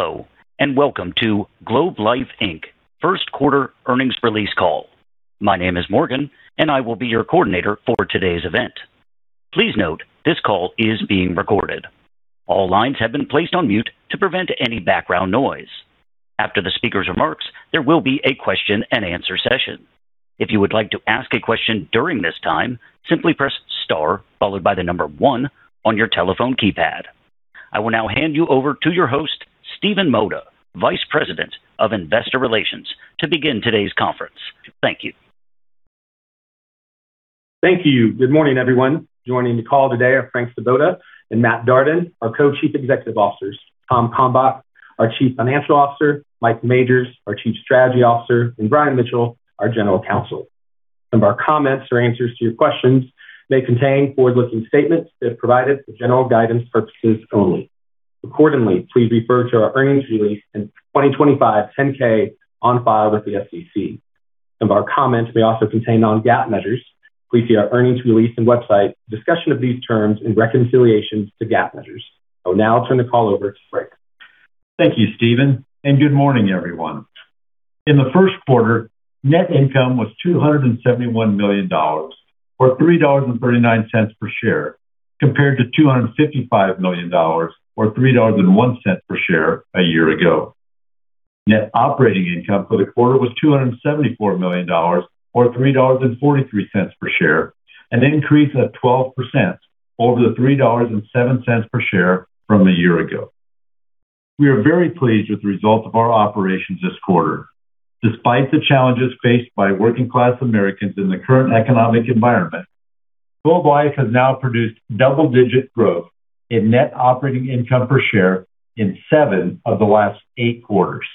Hello, and welcome to Globe Life Inc. First Quarter Earnings Release Call. My name is Morgan, and I will be your coordinator for today's event. Please note this call is being recorded. All lines have been placed on mute to prevent any background noise. After the speaker's remarks, there will be a question and answer session. If you would like to ask a question during this time, simply press star followed by the number one on your telephone keypad. I will now hand you over to your host, Stephen Mota, Vice President of Investor Relations, to begin today's conference. Thank you. Thank you. Good morning, everyone. Joining the call today are Frank M. Svoboda and J. Matthew Darden, our Co-Chief Executive Officers, Thomas P. Kalmbach, our Chief Financial Officer, Michael C. Majors, our Chief Strategy Officer, and R. Brian Mitchell, our General Counsel. Some of our comments or answers to your questions may contain forward-looking statements that are provided for general guidance purposes only. Accordingly, please refer to our earnings release and 2025 10-K on file with the SEC. Some of our comments may also contain non-GAAP measures. Please see our earnings release and website discussion of these terms and reconciliations to GAAP measures. I will now turn the call over to Frank. Thank you, Stephen, and good morning, everyone. In the first quarter, net income was $271 million, or $3.39 per share, compared to $255 million, or $3.01 per share a year ago. Net operating income for the quarter was $274 million, or $3.43 per share, an increase of 12% over the $3.07 per share from a year-ago. We are very pleased with the results of our operations this quarter. Despite the challenges faced by working-class Americans in the current economic environment, Globe Life has now produced double-digit growth in net operating income per share in seven of the last eight quarters,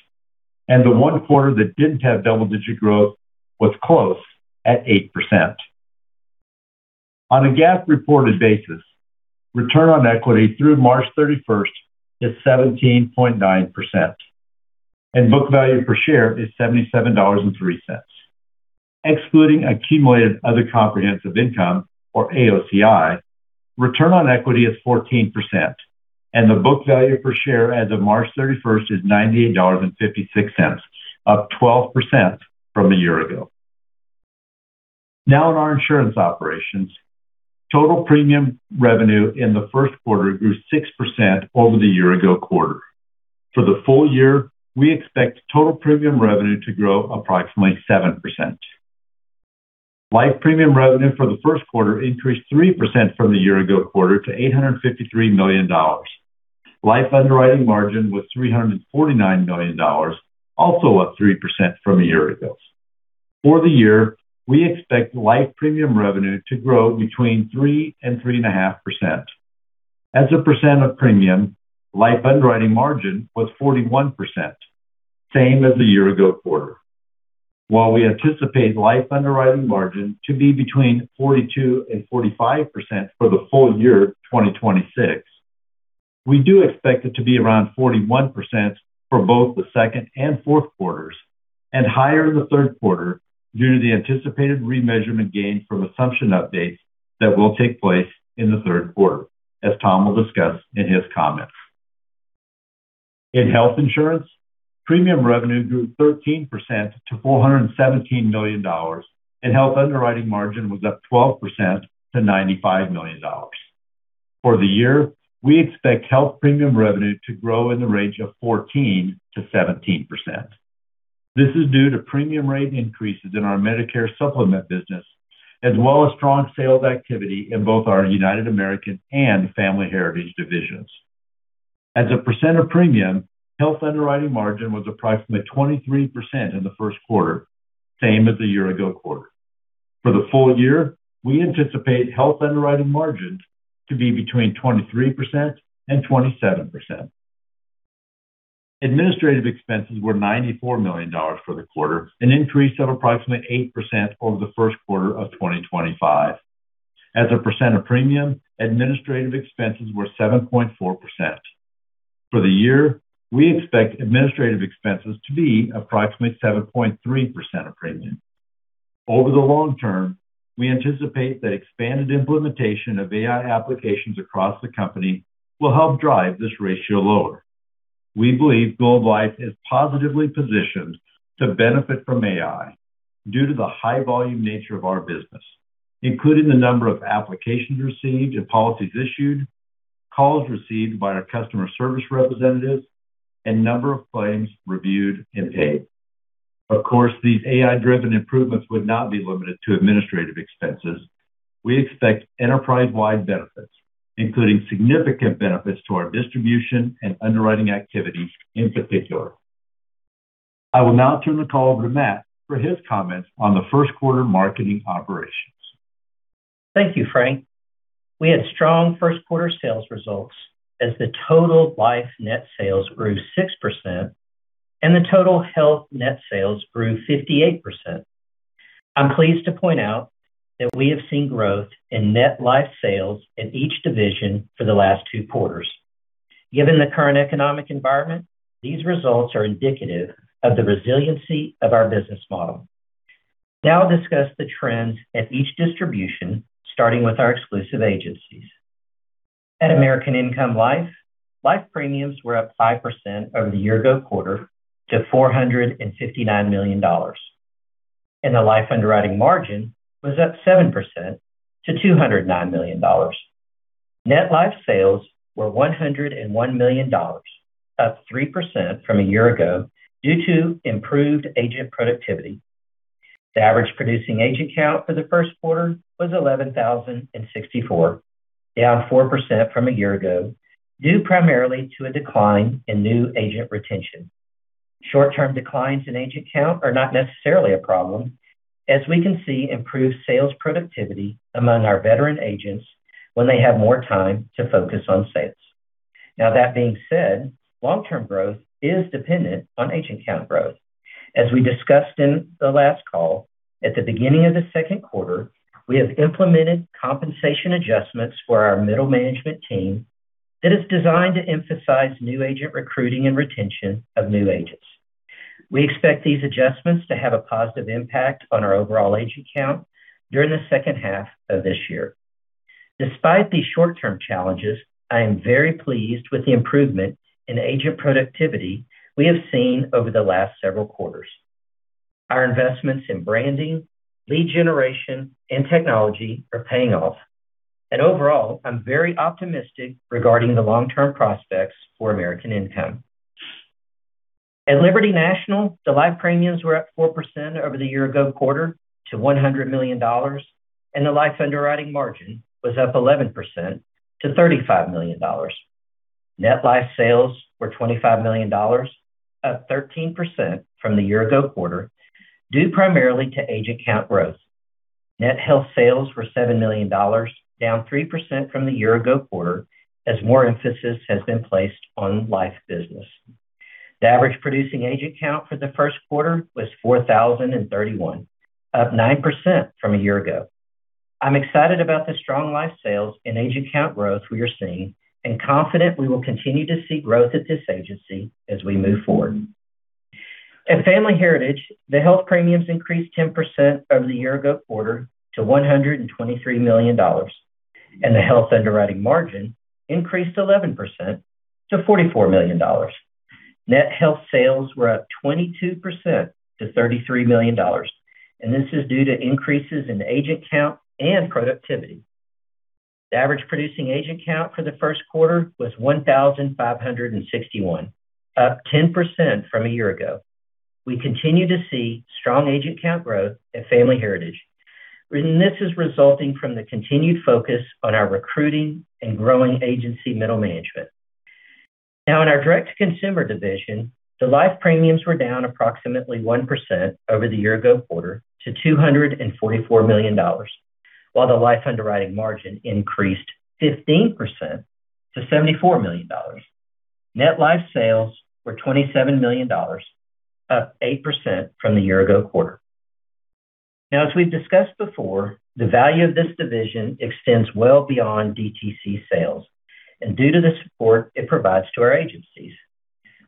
and the one quarter that didn't have double-digit growth was close at 8%. On a GAAP reported basis, return on equity through March 31st is 17.9%, and book value per share is $77.03. Excluding accumulated other comprehensive income, or AOCI, return on equity is 14%, and the book value per share as of March 31st is $98.56, up 12% from a year-ago. Now in our insurance operations, total premium revenue in the first quarter grew 6% over the year-ago quarter. For the full year, we expect total premium revenue to grow approximately 7%. Life premium revenue for the first quarter increased 3% from the year-ago quarter to $853 million. Life underwriting margin was $349 million, also up 3% from a year-ago. For the year, we expect life premium revenue to grow between 3% and 3.5%. As a percent of premium, life underwriting margin was 41%, same as the year-ago quarter. While we anticipate life underwriting margin to be between 42%-45% for the full year 2026, we do expect it to be around 41% for both the second and fourth quarters and higher in the third quarter due to the anticipated remeasurement gain from assumption updates that will take place in the third quarter, as Tom will discuss in his comments. In health insurance, premium revenue grew 13% to $417 million, and health underwriting margin was up 12% to $95 million. For the year, we expect health premium revenue to grow in the range of 14%-17%. This is due to premium rate increases in our Medicare Supplement business, as well as strong sales activity in both our United American and Family Heritage divisions. As a percent of premium, health underwriting margin was approximately 23% in the first quarter, same as the year-ago quarter. For the full year, we anticipate health underwriting margins to be between 23%-27%. Administrative expenses were $94 million for the quarter, an increase of approximately 8% over the first quarter of 2025. As a percent of premium, administrative expenses were 7.4%. For the year, we expect administrative expenses to be approximately 7.3% of premium. Over the long-term, we anticipate that expanded implementation of AI applications across the company will help drive this ratio lower. We believe Globe Life is positively positioned to benefit from AI due to the high volume nature of our business, including the number of applications received and policies issued, calls received by our customer service representatives, and number of claims reviewed and paid. Of course, these AI-driven improvements would not be limited to administrative expenses. We expect enterprise-wide benefits, including significant benefits to our distribution and underwriting activities in particular. I will now turn the call over to Matt for his comments on the first quarter marketing operations. Thank you, Frank. We had strong first quarter sales results as the total life net sales grew 6% and the total health net sales grew 58%. I'm pleased to point out that we have seen growth in net life sales in each division for the last two quarters. Given the current economic environment, these results are indicative of the resiliency of our business model. Now I'll discuss the trends at each distribution, starting with our exclusive agencies. At American Income Life, life premiums were up 5% over the year-ago quarter to $459 million. The life underwriting margin was up 7% to $209 million. Net life sales were $101 million, up 3% from a year-ago due to improved agent productivity. The average producing agent count for the first quarter was 11,064, down 4% from a year-ago, due primarily to a decline in new agent retention. Short-term declines in agent count are not necessarily a problem, as we can see improved sales productivity among our veteran agents when they have more time to focus on sales. Now that being said, long-term growth is dependent on agent count growth. As we discussed in the last call, at the beginning of the second quarter, we have implemented compensation adjustments for our middle management team that is designed to emphasize new agent recruiting and retention of new agents. We expect these adjustments to have a positive impact on our overall agent count during the second half of this year. Despite these short-term challenges, I am very pleased with the improvement in agent productivity we have seen over the last several quarters. Our investments in branding, lead generation, and technology are paying off, and overall, I'm very optimistic regarding the long-term prospects for American Income. At Liberty National, the life premiums were up 4% over the year-ago quarter to $100 million, and the life underwriting margin was up 11% to $35 million. Net life sales were $25 million, up 13% from the year-ago quarter, due primarily to agent count growth. Net health sales were $7 million, down 3% from the year-ago quarter, as more emphasis has been placed on life business. The average producing agent count for the first quarter was 4,031, up 9% from a year-ago. I'm excited about the strong life sales and agent count growth we are seeing and confident we will continue to see growth at this agency as we move forward. At Family Heritage, the health premiums increased 10% over the year-ago quarter to $123 million, and the health underwriting margin increased 11% to $44 million. Net health sales were up 22% to $33 million, and this is due to increases in agent count and productivity. The average producing agent count for the first quarter was 1,561, up 10% from a year-ago. We continue to see strong agent count growth at Family Heritage. This is resulting from the continued focus on our recruiting and growing agency middle management. Now in our direct-to-consumer division, the life premiums were down approximately 1% over the year-ago quarter to $244 million, while the life underwriting margin increased 15% to $74 million. Net life sales were $27 million, up 8% from the year-ago quarter. Now as we've discussed before, the value of this division extends well beyond DTC sales and due to the support it provides to our agencies.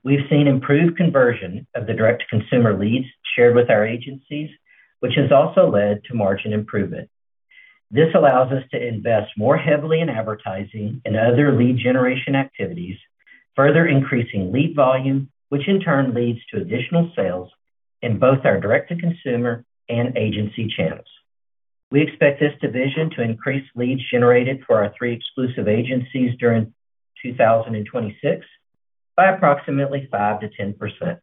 We've seen improved conversion of the direct-to-consumer leads shared with our agencies, which has also led to margin improvement. This allows us to invest more heavily in advertising and other lead generation activities, further increasing lead volume, which in turn leads to additional sales in both our direct-to-consumer and agency channels. We expect this division to increase leads generated for our three exclusive agencies during 2026 by approximately 5%-10%.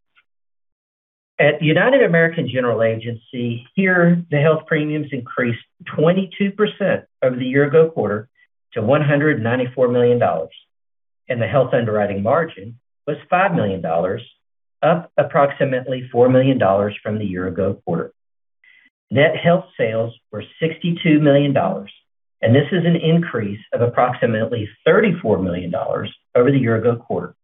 At United American General Agency, where the health premiums increased 22% over the year-ago quarter to $194 million, and the health underwriting margin was $5 million, up approximately $4 million from the year-ago quarter. Net health sales were $62 million, and this is an increase of approximately $34 million over the year-ago quarter.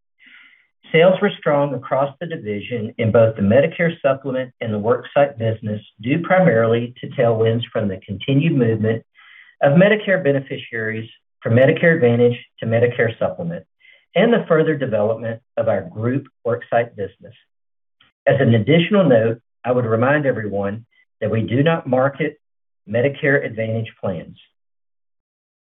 Sales were strong across the division in both the Medicare Supplement and the worksite business, due primarily to tailwinds from the continued movement of Medicare beneficiaries from Medicare Advantage to Medicare Supplement and the further development of our group worksite business. As an additional note, I would remind everyone that we do not market Medicare Advantage plans.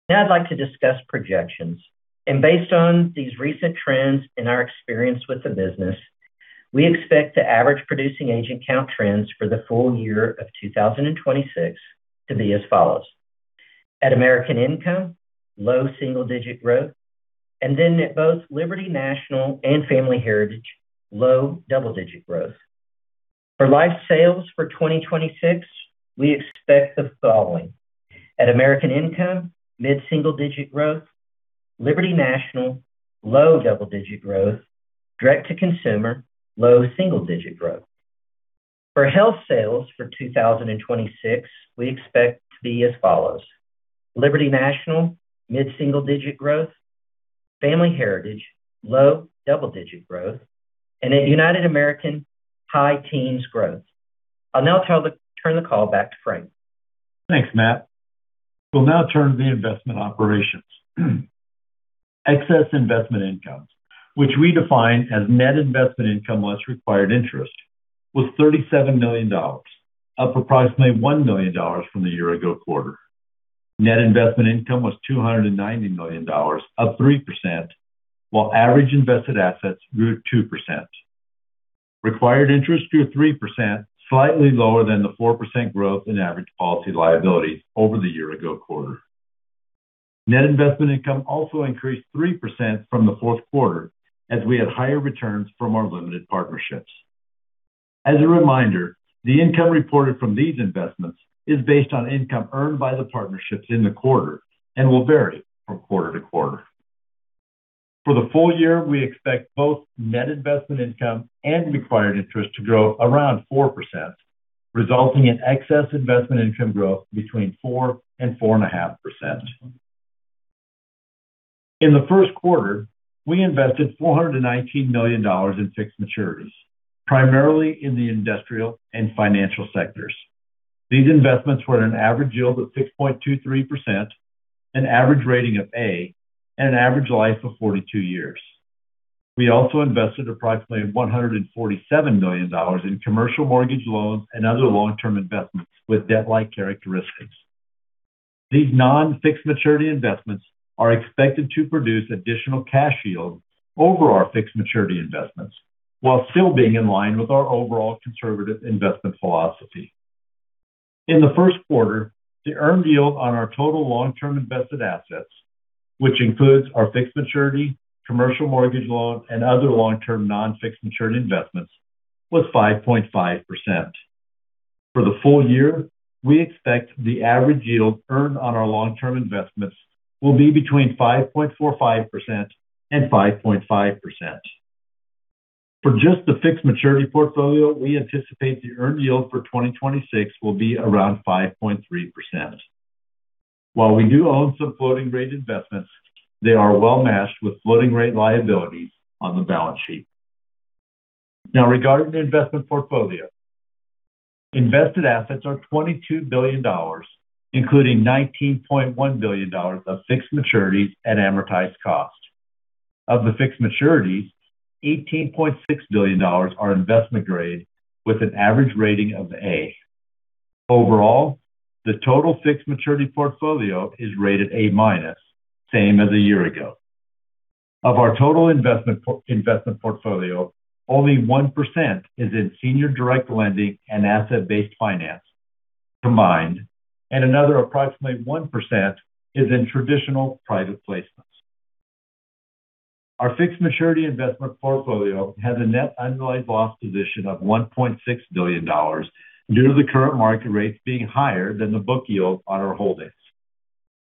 Now I'd like to discuss projections, and based on these recent trends and our experience with the business, we expect the average producing agent count trends for the full year of 2026 to be as follows. At American Income, low double-digit growth. At both Liberty National and Family Heritage, low double-digit growth. For life sales for 2026, we expect the following. At American Income, mid-single-digit growth. Liberty National, low double-digit growth. direct-to-consumer, low single-digit growth. For health sales for 2026, we expect to be as follows. Liberty National, mid-single-digit growth. Family Heritage, low double-digit growth. At United American, high teens growth. I'll now turn the call back to Frank. Thanks, Matt. We'll now turn to the investment operations. Excess investment income, which we define as net investment income less required interest, was $37 million, up approximately $1 million from the year-ago quarter. Net investment income was $290 million, up 3%, while average invested assets grew 2%. Required interest grew 3%, slightly lower than the 4% growth in average policy liability over the year-ago quarter. Net investment income also increased 3% from the fourth quarter as we had higher returns from our limited partnerships. As a reminder, the income reported from these investments is based on income earned by the partnerships in the quarter and will vary from quarter to quarter. For the full year, we expect both net investment income and required interest to grow around 4%, resulting in excess investment income growth between 4%-4.5%. In the first quarter, we invested $419 million in fixed maturities, primarily in the industrial and financial sectors. These investments were at an average yield of 6.23%, an average rating of A, and an average life of 42 years. We also invested approximately $147 million in commercial mortgage loans and other long-term investments with debt-like characteristics. These non-fixed maturity investments are expected to produce additional cash yield over our fixed maturity investments while still being in line with our overall conservative investment philosophy. In the first quarter, the earned yield on our total long-term invested assets, which includes our fixed maturity, commercial mortgage loans, and other long-term non-fixed maturity investments, was 5.5%. For the full year, we expect the average yield earned on our long-term investments will be between 5.45% and 5.5%. For just the fixed maturity portfolio, we anticipate the earned yield for 2026 will be around 5.3%. While we do own some floating rate investments, they are well-matched with floating rate liabilities on the balance sheet. Now, regarding the investment portfolio, invested assets are $22 billion, including $19.1 billion of fixed maturities at amortized cost. Of the fixed maturities, $18.6 billion are investment grade with an average rating of A. Overall, the total fixed maturity portfolio is rated A minus, same as a year-ago. Of our total investment portfolio, only 1% is in senior direct lending and asset-based finance combined, and another approximately 1% is in traditional private placements. Our fixed maturity investment portfolio has a net unrealized loss position of $1.6 billion due to the current market rates being higher than the book yield on our holdings.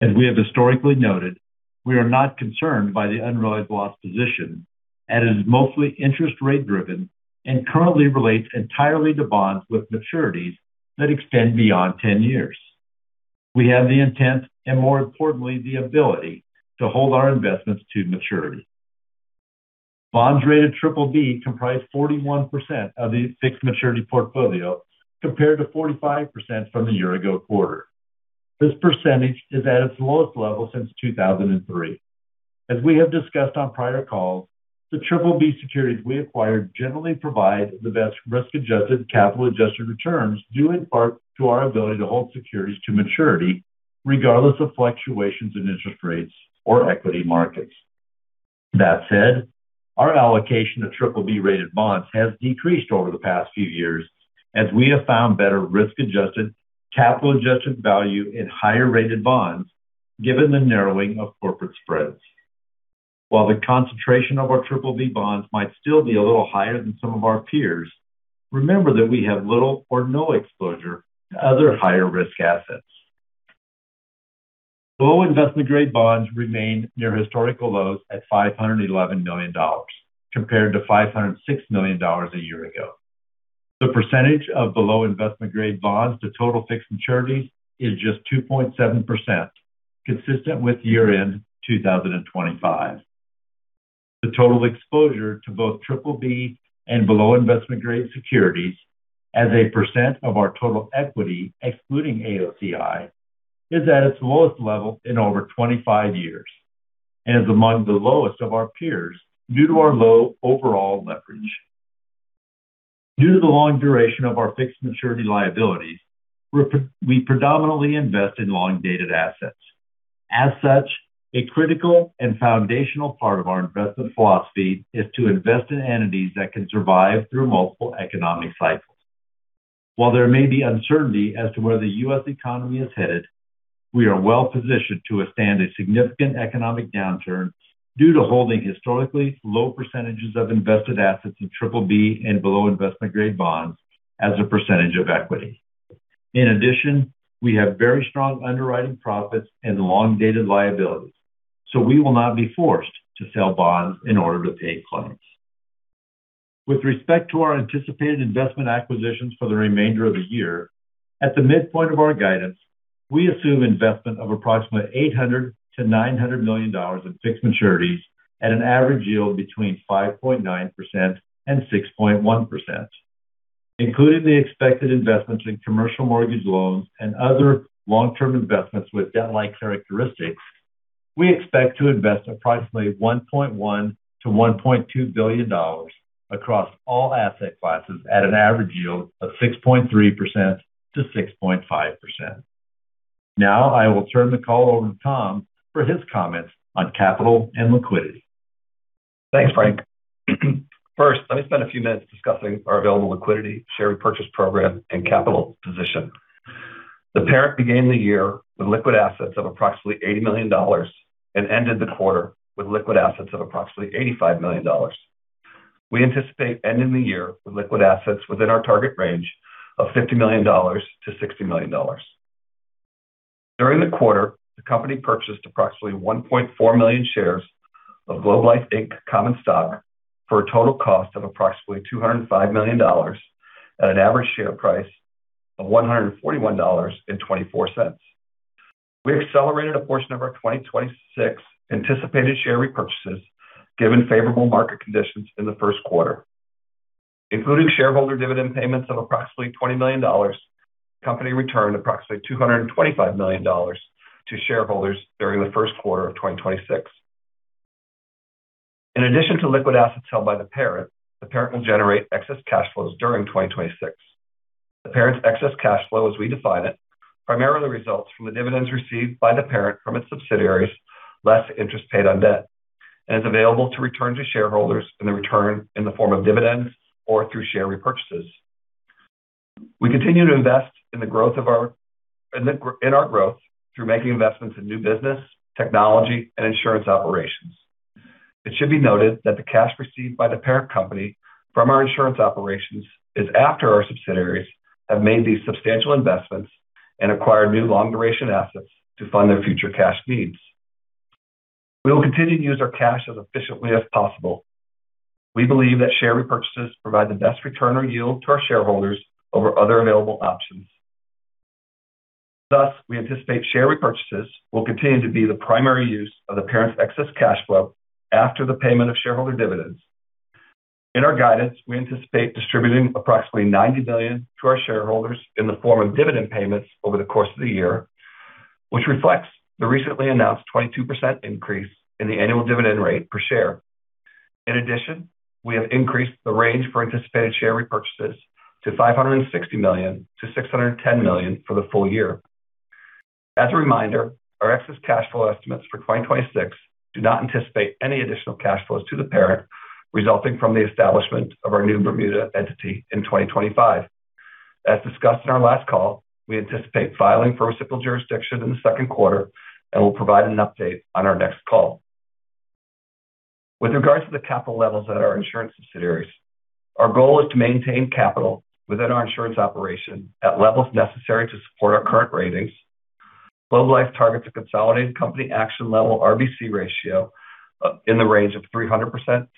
As we have historically noted, we are not concerned by the unrealized loss position as it is mostly interest rate driven and currently relates entirely to bonds with maturities that extend beyond 10 years. We have the intent and, more importantly, the ability to hold our investments to maturity. Bonds rated BBB comprise 41% of the fixed maturity portfolio, compared to 45% from the year-ago quarter. This percentage is at its lowest level since 2003. As we have discussed on prior calls, the BBB securities we acquire generally provide the best risk-adjusted, capital-adjusted returns, due in part to our ability to hold securities to maturity regardless of fluctuations in interest rates or equity markets. That said, our allocation of BBB-rated bonds has decreased over the past few years as we have found better risk-adjusted, capital-adjusted value in higher-rated bonds given the narrowing of corporate spreads. While the concentration of our BBB bonds might still be a little higher than some of our peers, remember that we have little or no exposure to other higher-risk assets. Below-investment-grade bonds remain near historical lows at $511 million, compared to $506 million a year-ago. The percentage of below-investment-grade bonds to total fixed maturities is just 2.7%, consistent with year-end 2025. The total exposure to both BBB and below-investment-grade securities as a percent of our total equity, excluding AOCI, is at its lowest level in over 25 years and is among the lowest of our peers due to our low overall leverage. Due to the long duration of our fixed maturity liabilities, we predominantly invest in long-dated assets. As such, a critical and foundational part of our investment philosophy is to invest in entities that can survive through multiple economic cycles. While there may be uncertainty as to where the U.S. economy is headed, we are well-positioned to withstand a significant economic downturn due to holding historically low percentages of invested assets in BBB and below-investment-grade bonds as a percentage of equity. In addition, we have very strong underwriting profits and long-dated liabilities, so we will not be forced to sell bonds in order to pay claims. With respect to our anticipated investment acquisitions for the remainder of the year, at the midpoint of our guidance, we assume investment of approximately $800 million-900 million in fixed maturities at an average yield between 5.9%-6.1%. Including the expected investments in commercial mortgage loans and other long-term investments with debt-like characteristics, we expect to invest approximately $1.1 billion-1.2 billion across all asset classes at an average yield of 6.3%-6.5%. Now I will turn the call over to Tom for his comments on capital and liquidity. Thanks, Frank. First, let me spend a few minutes discussing our available liquidity, share repurchase program, and capital position. The parent began the year with liquid assets of approximately $80 million and ended the quarter with liquid assets of approximately $85 million. We anticipate ending the year with liquid assets within our target range of $50 million-60 million. During the quarter, the company purchased approximately 1.4 million shares of Globe Life Inc. common stock for a total cost of approximately $205 million at an average share price of $141.24. We accelerated a portion of our 2026 anticipated share repurchases given favorable market conditions in the first quarter. Including shareholder dividend payments of approximately $20 million, the company returned approximately $225 million to shareholders during the first quarter of 2026. In addition to liquid assets held by the parent, the parent will generate excess cash flows during 2026. The parent's excess cash flow, as we define it, primarily results from the dividends received by the parent from its subsidiaries, less interest paid on debt, and is available to return to shareholders in the form of dividends or through share repurchases. We continue to invest in our growth through making investments in new business, technology, and insurance operations. It should be noted that the cash received by the parent company from our insurance operations is after our subsidiaries have made these substantial investments and acquired new long-duration assets to fund their future cash needs. We will continue to use our cash as efficiently as possible. We believe that share repurchases provide the best return on yield to our shareholders over other available options. Thus, we anticipate share repurchases will continue to be the primary use of the parent's excess cash flow after the payment of shareholder dividends. In our guidance, we anticipate distributing approximately $90 million to our shareholders in the form of dividend payments over the course of the year, which reflects the recently announced 22% increase in the annual dividend rate per share. In addition, we have increased the range for anticipated share repurchases to $560 million-610 million for the full year. As a reminder, our excess cash flow estimates for 2026 do not anticipate any additional cash flows to the parent resulting from the establishment of our new Bermuda entity in 2025. As discussed in our last call, we anticipate filing for reciprocal jurisdiction in the second quarter and will provide an update on our next call. With regards to the capital levels at our insurance subsidiaries, our goal is to maintain capital within our insurance operation at levels necessary to support our current ratings. Globe Life targets a consolidated company action level RBC ratio in the range of 300%-320%.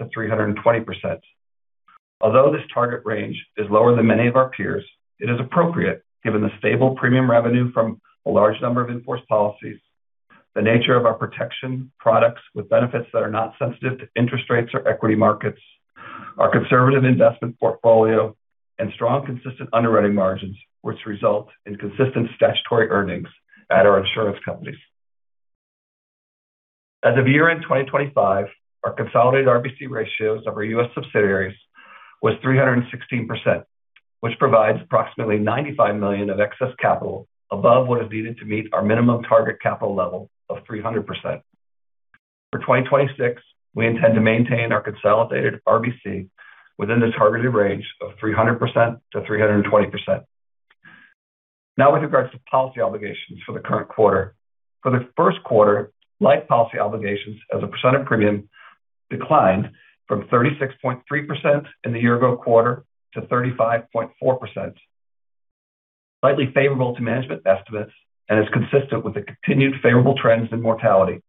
Although this target range is lower than many of our peers, it is appropriate given the stable premium revenue from a large number of in-force policies, the nature of our protection products with benefits that are not sensitive to interest rates or equity markets, our conservative investment portfolio, and strong consistent underwriting margins which result in consistent statutory earnings at our insurance companies. As of year-end 2025, our consolidated RBC ratios of our U.S. subsidiaries was 316%, which provides approximately $95 million of excess capital above what is needed to meet our minimum target capital level of 300%. For 2026, we intend to maintain our consolidated RBC within the targeted range of 300%-320%. Now with regards to policy obligations for the current quarter. For the first quarter, life policy obligations as a percent of premium declined from 36.3% in the year-ago quarter to 35.4%, slightly favorable to management estimates and is consistent with the continued favorable trends in mortality.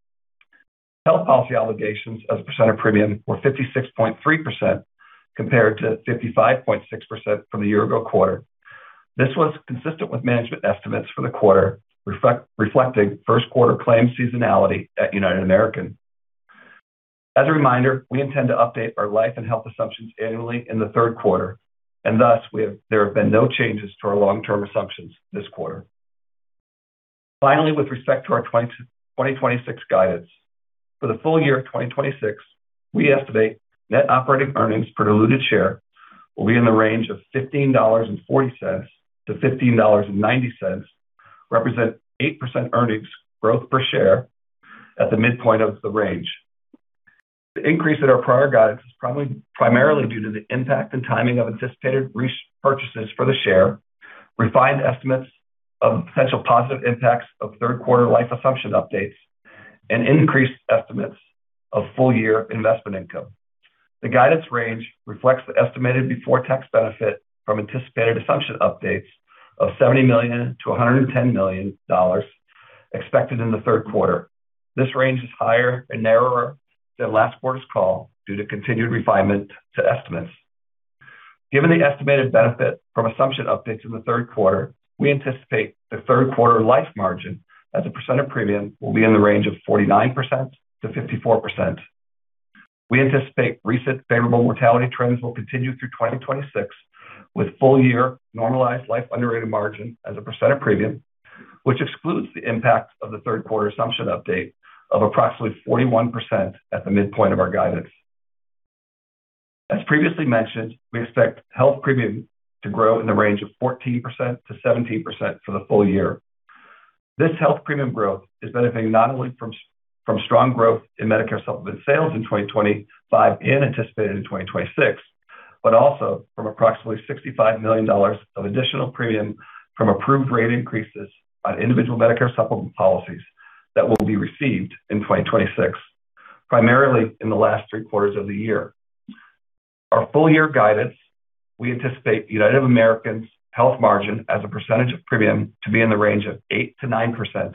Health policy obligations as a percent of premium were 56.3% compared to 55.6% from the year-ago quarter. This was consistent with management estimates for the quarter, reflecting first quarter claims seasonality at United American. As a reminder, we intend to update our life and health assumptions annually in the third quarter, and thus there have been no changes to our long-term assumptions this quarter. Finally, with respect to our 2026 guidance, for the full year of 2026, we estimate net operating earnings per diluted share will be in the range of $15.40-15.90, representing 8% earnings growth per share at the midpoint of the range. The increase in our prior guidance is primarily due to the impact and timing of anticipated share repurchases, refined estimates of potential positive impacts of third-quarter life assumption updates, and increased estimates of full-year investment income. The guidance range reflects the estimated before-tax benefit from anticipated assumption updates of $70 million-$110 million expected in the third quarter. This range is higher and narrower than last quarter's call due to continued refinement to estimates. Given the estimated benefit from assumption updates in the third quarter, we anticipate the third quarter life margin as a percent of premium will be in the range of 49%-54%. We anticipate recent favorable mortality trends will continue through 2026, with full-year normalized life underwriting margin as a percent of premium, which excludes the impact of the third quarter assumption update of approximately 41% at the midpoint of our guidance. As previously mentioned, we expect health premium to grow in the range of 14%-17% for the full-year. This health premium growth is benefiting not only from strong growth in Medicare Supplement sales in 2025 and anticipated in 2026, but also from approximately $65 million of additional premium from approved rate increases on individual Medicare Supplement policies that will be received in 2026, primarily in the last three quarters of the year. Our full-year guidance, we anticipate United American's health margin as a percentage of premium to be in the range of 8%-9%.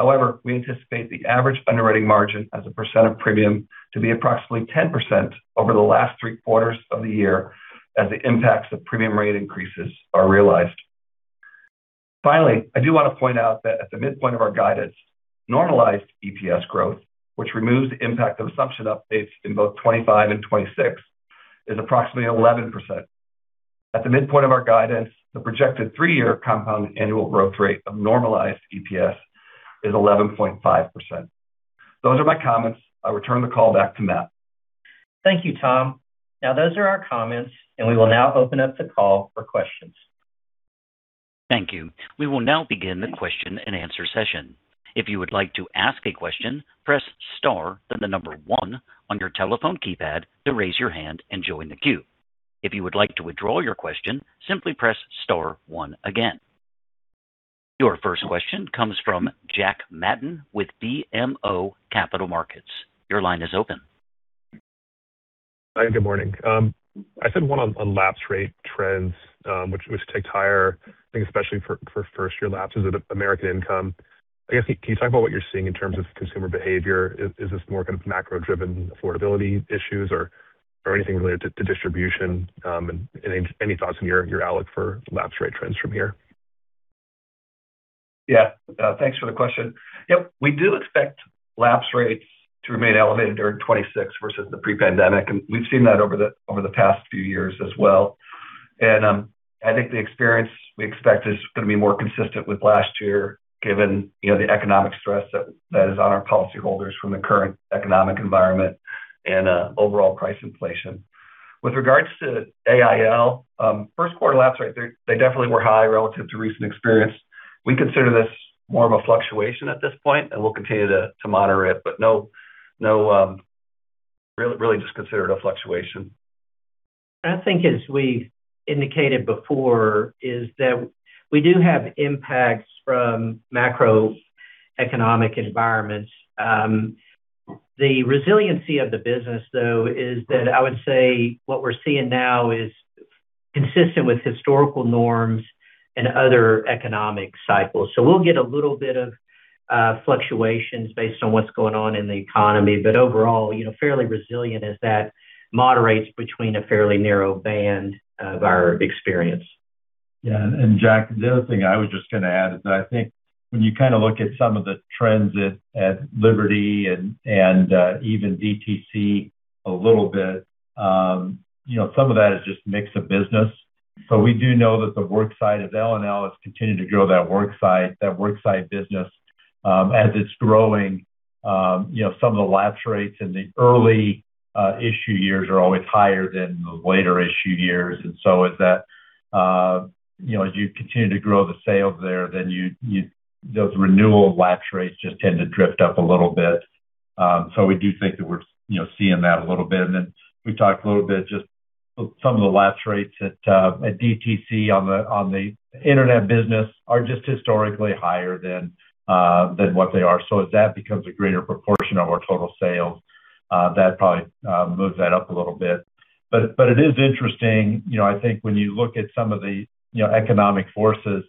However, we anticipate the average underwriting margin as a percent of premium to be approximately 10% over the last three quarters of the year as the impacts of premium rate increases are realized. Finally, I do want to point out that at the midpoint of our guidance, normalized EPS growth, which removes the impact of assumption updates in both 2025 and 2026, is approximately 11%. At the midpoint of our guidance, the projected three-year compound annual growth rate of normalized EPS is 11.5%. Those are my comments. I'll return the call back to Matt. Thank you, Tom. Now, those are our comments, and we will now open up the call for questions. Thank you. We will now begin the question and answer session. If you would like to ask a question, press star, then the number one on your telephone keypad to raise your hand and join the queue. If you would like to withdraw your question, simply press star one again. Your first question comes from Jack Matten with BMO Capital Markets. Your line is open. Hi, good morning. I had one on lapse rate trends, which ticked higher, I think especially for first year lapses at American Income. I guess, can you talk about what you're seeing in terms of consumer behavior? Is this more kind of macro-driven affordability issues or anything related to distribution, and any thoughts on your outlook for lapse rate trends from here? Yeah. Thanks for the question. Yep, we do expect lapse rates to remain elevated during 2026 versus the pre-pandemic, and we've seen that over the past few years as well. I think the experience we expect is going to be more consistent with last year, given the economic stress that is on our policy holders from the current economic environment and overall price inflation. With regards to AIL, first quarter lapse rate, they definitely were high relative to recent experience. We consider this more of a fluctuation at this point, and we'll continue to monitor it, but really just consider it a fluctuation. I think as we've indicated before, is that we do have impacts from macroeconomic environments. The resiliency of the business, though, is that I would say what we're seeing now is consistent with historical norms and other economic cycles. We'll get a little bit of fluctuations based on what's going on in the economy, but overall, fairly resilient as that moderates between a fairly narrow band of our experience. Yeah. Jack, the other thing I was just going to add is I think when you kind of look at some of the trends at Liberty and even DTC a little bit, some of that is just mix of business. We do know that the worksite side of L&L has continued to grow that worksite business, as it's growing, some of the lapse rates in the early issue years are always higher than the later issue years. As you continue to grow the sales there, those renewal lapse rates just tend to drift up a little bit. We do think that we're seeing that a little bit. Then we talked a little bit, just some of the lapse rates at DTC on the internet business are just historically higher than what they are. as that becomes a greater proportion of our total sales, that probably moves that up a little bit. It is interesting, I think when you look at some of the economic forces,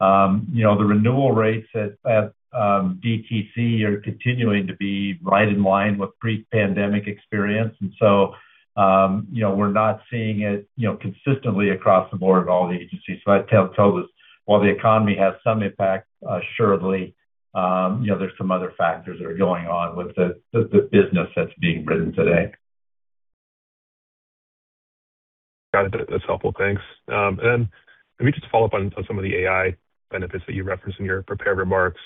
the renewal rates at DTC are continuing to be right in line with pre-pandemic experience. We're not seeing it consistently across the board at all the agencies. I'd tell this, while the economy has some impact, assuredly, there's some other factors that are going on with the business that's being written today. Got it. That's helpful. Thanks. Let me just follow-up on some of the AI benefits that you referenced in your prepared remarks.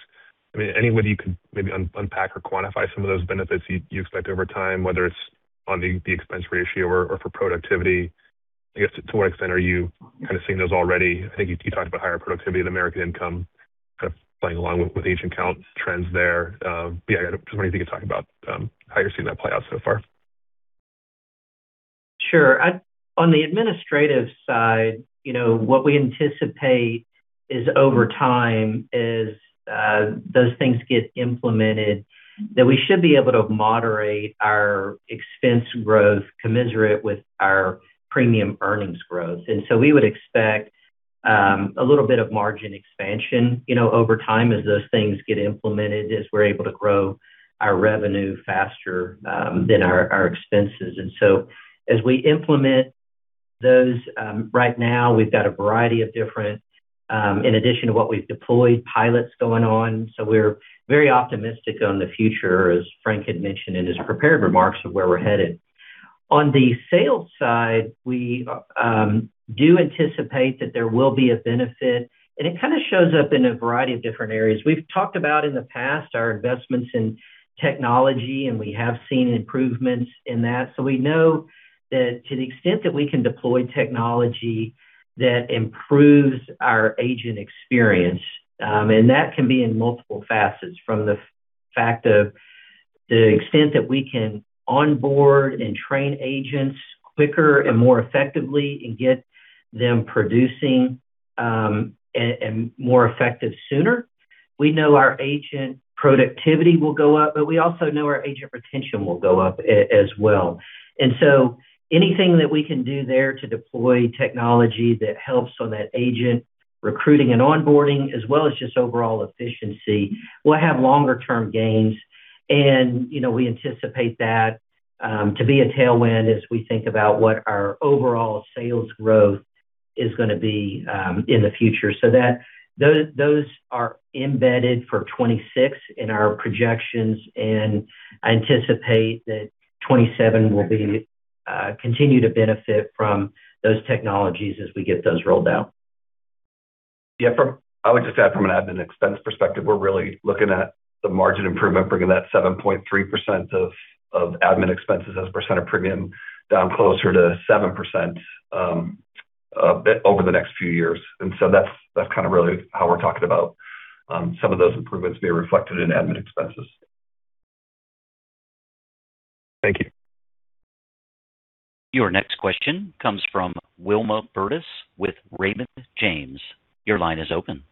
Any way you could maybe unpack or quantify some of those benefits you'd expect over time, whether it's on the expense ratio or for productivity? I guess to what extent are you kind of seeing those already? I think you talked about higher productivity at American Income, kind of playing along with agent count trends there. Yeah, I just wonder if you could talk about how you're seeing that play out so far. Sure. On the administrative side, what we anticipate is over time, as those things get implemented, that we should be able to moderate our expense growth commensurate with our premium earnings growth. We would expect a little bit of margin expansion over time as those things get implemented, as we're able to grow our revenue faster than our expenses. As we implement those, right now we've got a variety of different, in addition to what we've deployed, pilots going on. We're very optimistic on the future, as Frank had mentioned in his prepared remarks, of where we're headed. On the sales side, we do anticipate that there will be a benefit, and it kind of shows up in a variety of different areas. We've talked about in the past our investments in technology, and we have seen improvements in that. We know that to the extent that we can deploy technology that improves our agent experience, and that can be in multiple facets, from the fact of the extent that we can onboard and train agents quicker and more effectively and get them producing, and more effective sooner. We know our agent productivity will go up, but we also know our agent retention will go up as well. Anything that we can do there to deploy technology that helps on that agent recruiting and onboarding, as well as just overall efficiency, will have longer-term gains. We anticipate that to be a tailwind as we think about what our overall sales growth is going to be in the future. Those are embedded for 2026 in our projections, and I anticipate that 2027 will continue to benefit from those technologies as we get those rolled out. Yeah. I would just add from an admin expense perspective, we're really looking at the margin improvement, bringing that 7.3% of admin expenses as a percent of premium down closer to 7% over the next few years. That's kind of really how we're talking about some of those improvements being reflected in admin expenses. Thank you. Your next question comes from Wilma Burdis with Raymond James. Your line is open.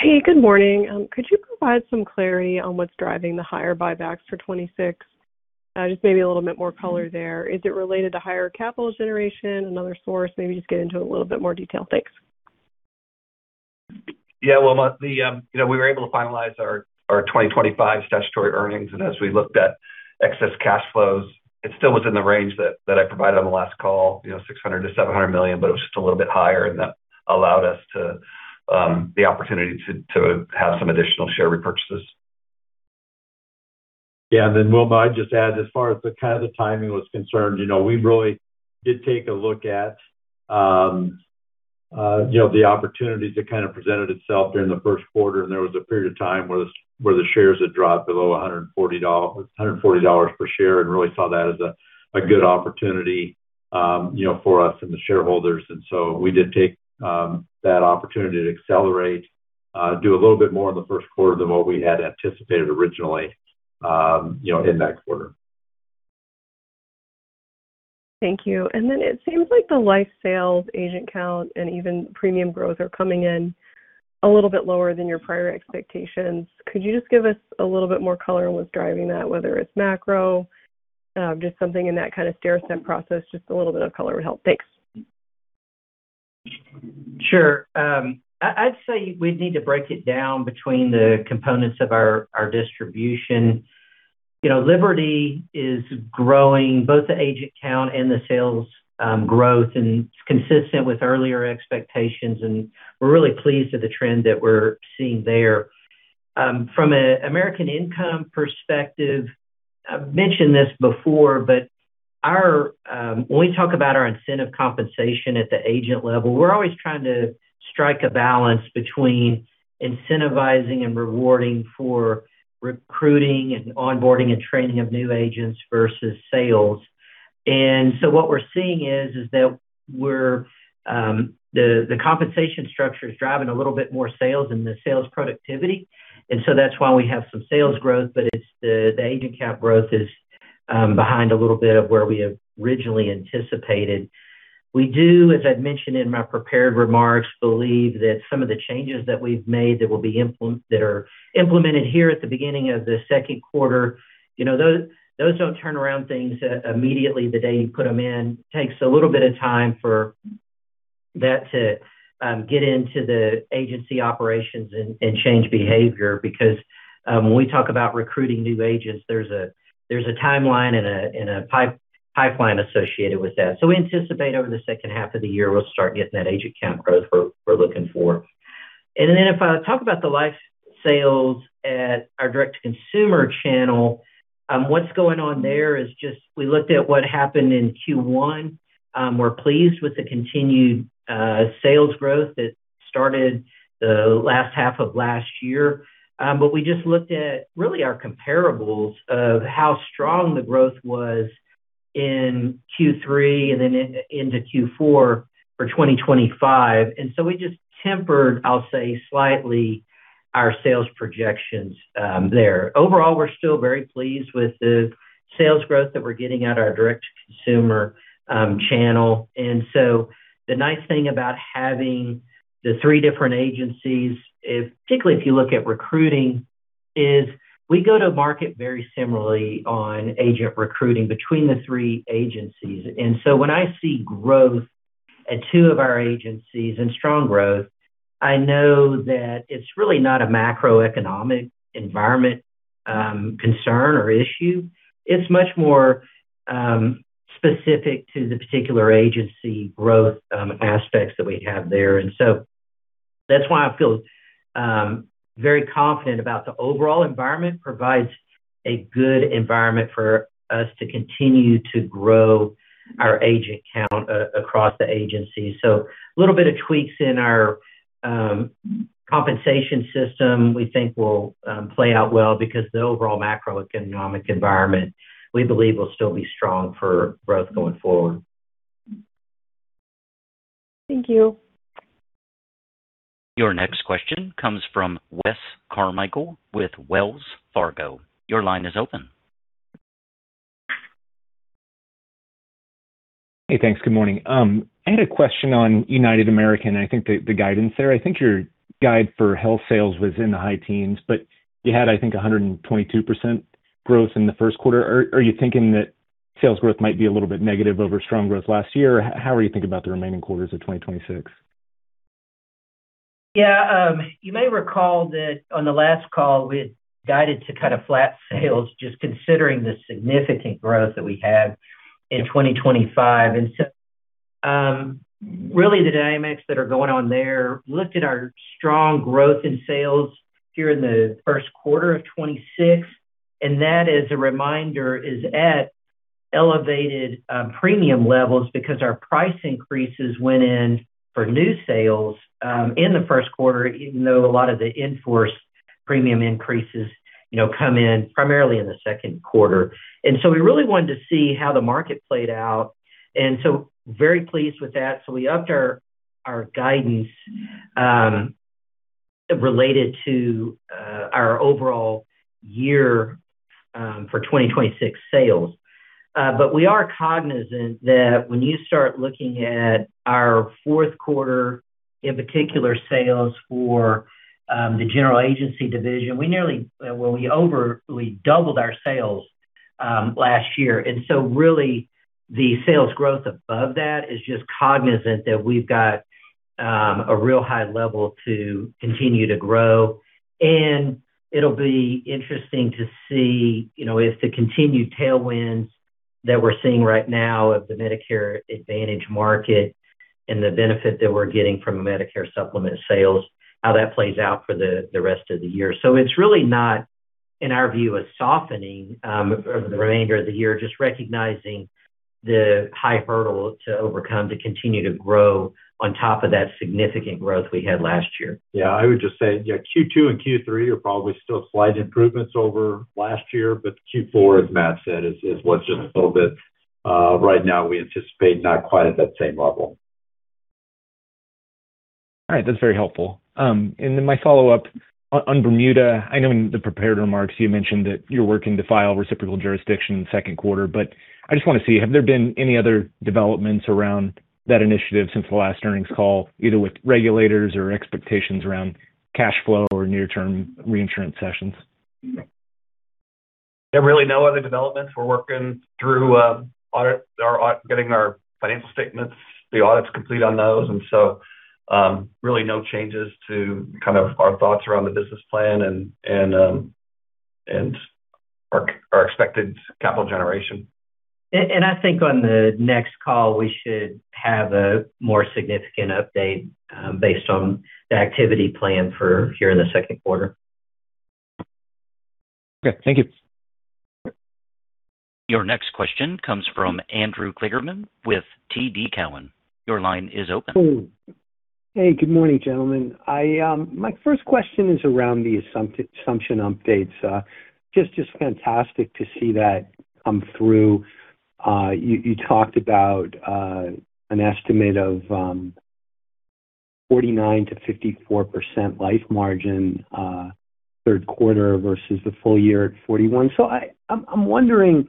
Hey, good morning. Could you provide some clarity on what's driving the higher buybacks for 2026? Just maybe a little bit more color there. Is it related to higher capital generation, another source? Maybe just get into a little bit more detail. Thanks. Yeah. Wilma, we were able to finalize our 2025 statutory earnings, and as we looked at excess cash flows, it still was in the range that I provided on the last call, $600 million-$700 million, but it was just a little bit higher, and that allowed us the opportunity to have some additional share repurchases. Yeah. Wilma, I'd just add, as far as the kind of timing was concerned, we really did take a look at the opportunity that kind of presented itself during the first quarter, and there was a period of time where the shares had dropped below $140 per share, and really saw that as a good opportunity for us and the shareholders. We did take that opportunity to accelerate, do a little bit more in the first quarter than what we had anticipated originally in that quarter. Thank you. It seems like the life sales agent count and even premium growth are coming in a little bit lower than your prior expectations. Could you just give us a little bit more color on what's driving that, whether it's macro, just something in that kind of stair step process, just a little bit of color would help. Thanks. Sure. I'd say we'd need to break it down between the components of our distribution. Liberty is growing both the agent count and the sales growth, and it's consistent with earlier expectations, and we're really pleased with the trend that we're seeing there. From an American Income perspective, I've mentioned this before, but when we talk about our incentive compensation at the agent level, we're always trying to strike a balance between incentivizing and rewarding for recruiting and onboarding and training of new agents versus sales. What we're seeing is that the compensation structure is driving a little bit more sales and the sales productivity. That's why we have some sales growth. The agent count growth is behind a little bit of where we had originally anticipated. We do, as I've mentioned in my prepared remarks, believe that some of the changes that we've made that are implemented here at the beginning of the second quarter, those don't turn around things immediately the day you put them in. It takes a little bit of time for that to get into the agency operations and change behavior, because when we talk about recruiting new agents, there's a timeline and a pipeline associated with that. We anticipate over the second half of the year, we'll start getting that agent count growth we're looking for. If I talk about the life sales at our direct-to-consumer channel, what's going on there is just we looked at what happened in Q1. We're pleased with the continued sales growth that started the last half of last year. We just looked at really our comparables of how strong the growth was in Q3 and then into Q4 for 2025. We just tempered, I'll say, slightly our sales projections there. Overall, we're still very pleased with the sales growth that we're getting out of our direct to consumer channel. The nice thing about having the three different agencies, particularly if you look at recruiting, is we go to market very similarly on agent recruiting between the three agencies. When I see growth at two of our agencies in strong growth, I know that it's really not a macroeconomic environment concern or issue. It's much more specific to the particular agency growth aspects that we have there. That's why I feel very confident about the overall environment provides a good environment for us to continue to grow our agent count across the agency a little bit of tweaks in our compensation system we think will play out well because the overall macroeconomic environment, we believe, will still be strong for growth going forward. Thank you. Your next question comes from Wes Carmichael with Wells Fargo. Your line is open. Hey, thanks. Good morning. I had a question on United American and the guidance there. I think your guidance for health sales was in the high teens, but you had, I think, 122% growth in the first quarter. Are you thinking that sales growth might be a little bit negative over strong growth last year? How are you thinking about the remaining quarters of 2026? Yeah. You may recall that on the last call, we had guided to kind of flat sales, just considering the significant growth that we had in 2025. Really the dynamics that are going on there, look at our strong growth in sales here in the first quarter of 2026, and that, as a reminder, is at elevated premium levels because our price increases went in for new sales in the first quarter, even though a lot of the in-force premium increases come in primarily in the second quarter. We really wanted to see how the market played out, and so very pleased with that. We upped our guidance related to our overall year for 2026 sales. We are cognizant that when you start looking at our fourth quarter, in particular, sales for the general agency division, we doubled our sales last year. Really, the sales growth above that is just cognizant that we've got a real high level to continue to grow. It'll be interesting to see if the continued tailwinds that we're seeing right now of the Medicare Advantage market and the benefit that we're getting from Medicare Supplement sales, how that plays out for the rest of the year. It's really not, in our view, a softening of the remainder of the year, just recognizing the high hurdle to overcome to continue to grow on top of that significant growth we had last year. Yeah, I would just say Q2 and Q3 are probably still slight improvements over last year, but Q4, as Matt said, is what's just a little bit. Right now we anticipate not quite at that same level. All right. That's very helpful. My follow-up on Bermuda, I know in the prepared remarks you mentioned that you're working to file reciprocal jurisdiction in the second quarter, but I just want to see, have there been any other developments around that initiative since the last earnings call, either with regulators or expectations around cash flow or near-term reinsurance cessions? Yeah, really no other developments. We're working through getting our financial statements, the audits complete on those. Really no changes to kind of our thoughts around the business plan and our expected capital generation. I think on the next call, we should have a more significant update based on the activity plan for here in the second quarter. Okay. Thank you. Your next question comes from Andrew Kligerman with TD Cowen. Your line is open. Hey, good morning, gentlemen. My first question is around the assumption updates. Just fantastic to see that come through. You talked about an estimate of 49%-54% life margin third quarter versus the full-year at 41%. I'm wondering,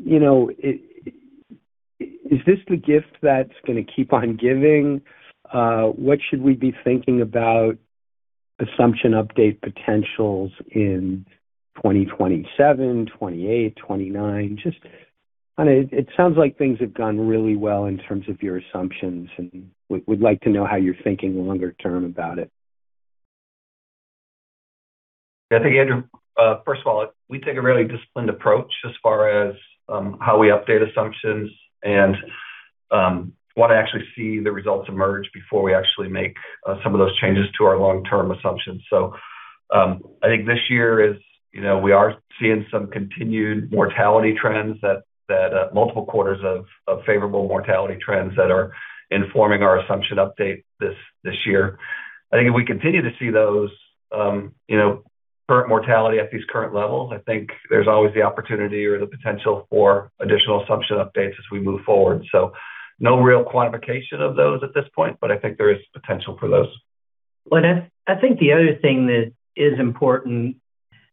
is this the gift that's going to keep on giving? What should we be thinking about assumption update potentials in 2027, 2028, 2029? Just, it sounds like things have gone really well in terms of your assumptions, and we'd like to know how you're thinking longer-term about it. I think, Andrew, first of all, we take a really disciplined approach as far as how we update assumptions and want to actually see the results emerge before we actually make some of those changes to our long-term assumptions. I think this year, we are seeing some continued mortality trends that multiple quarters of favorable mortality trends that are informing our assumption update this year. I think if we continue to see those current mortality at these current levels, I think there's always the opportunity or the potential for additional assumption updates as we move forward. No real quantification of those at this point, but I think there is potential for those. Well, I think the other thing that is important,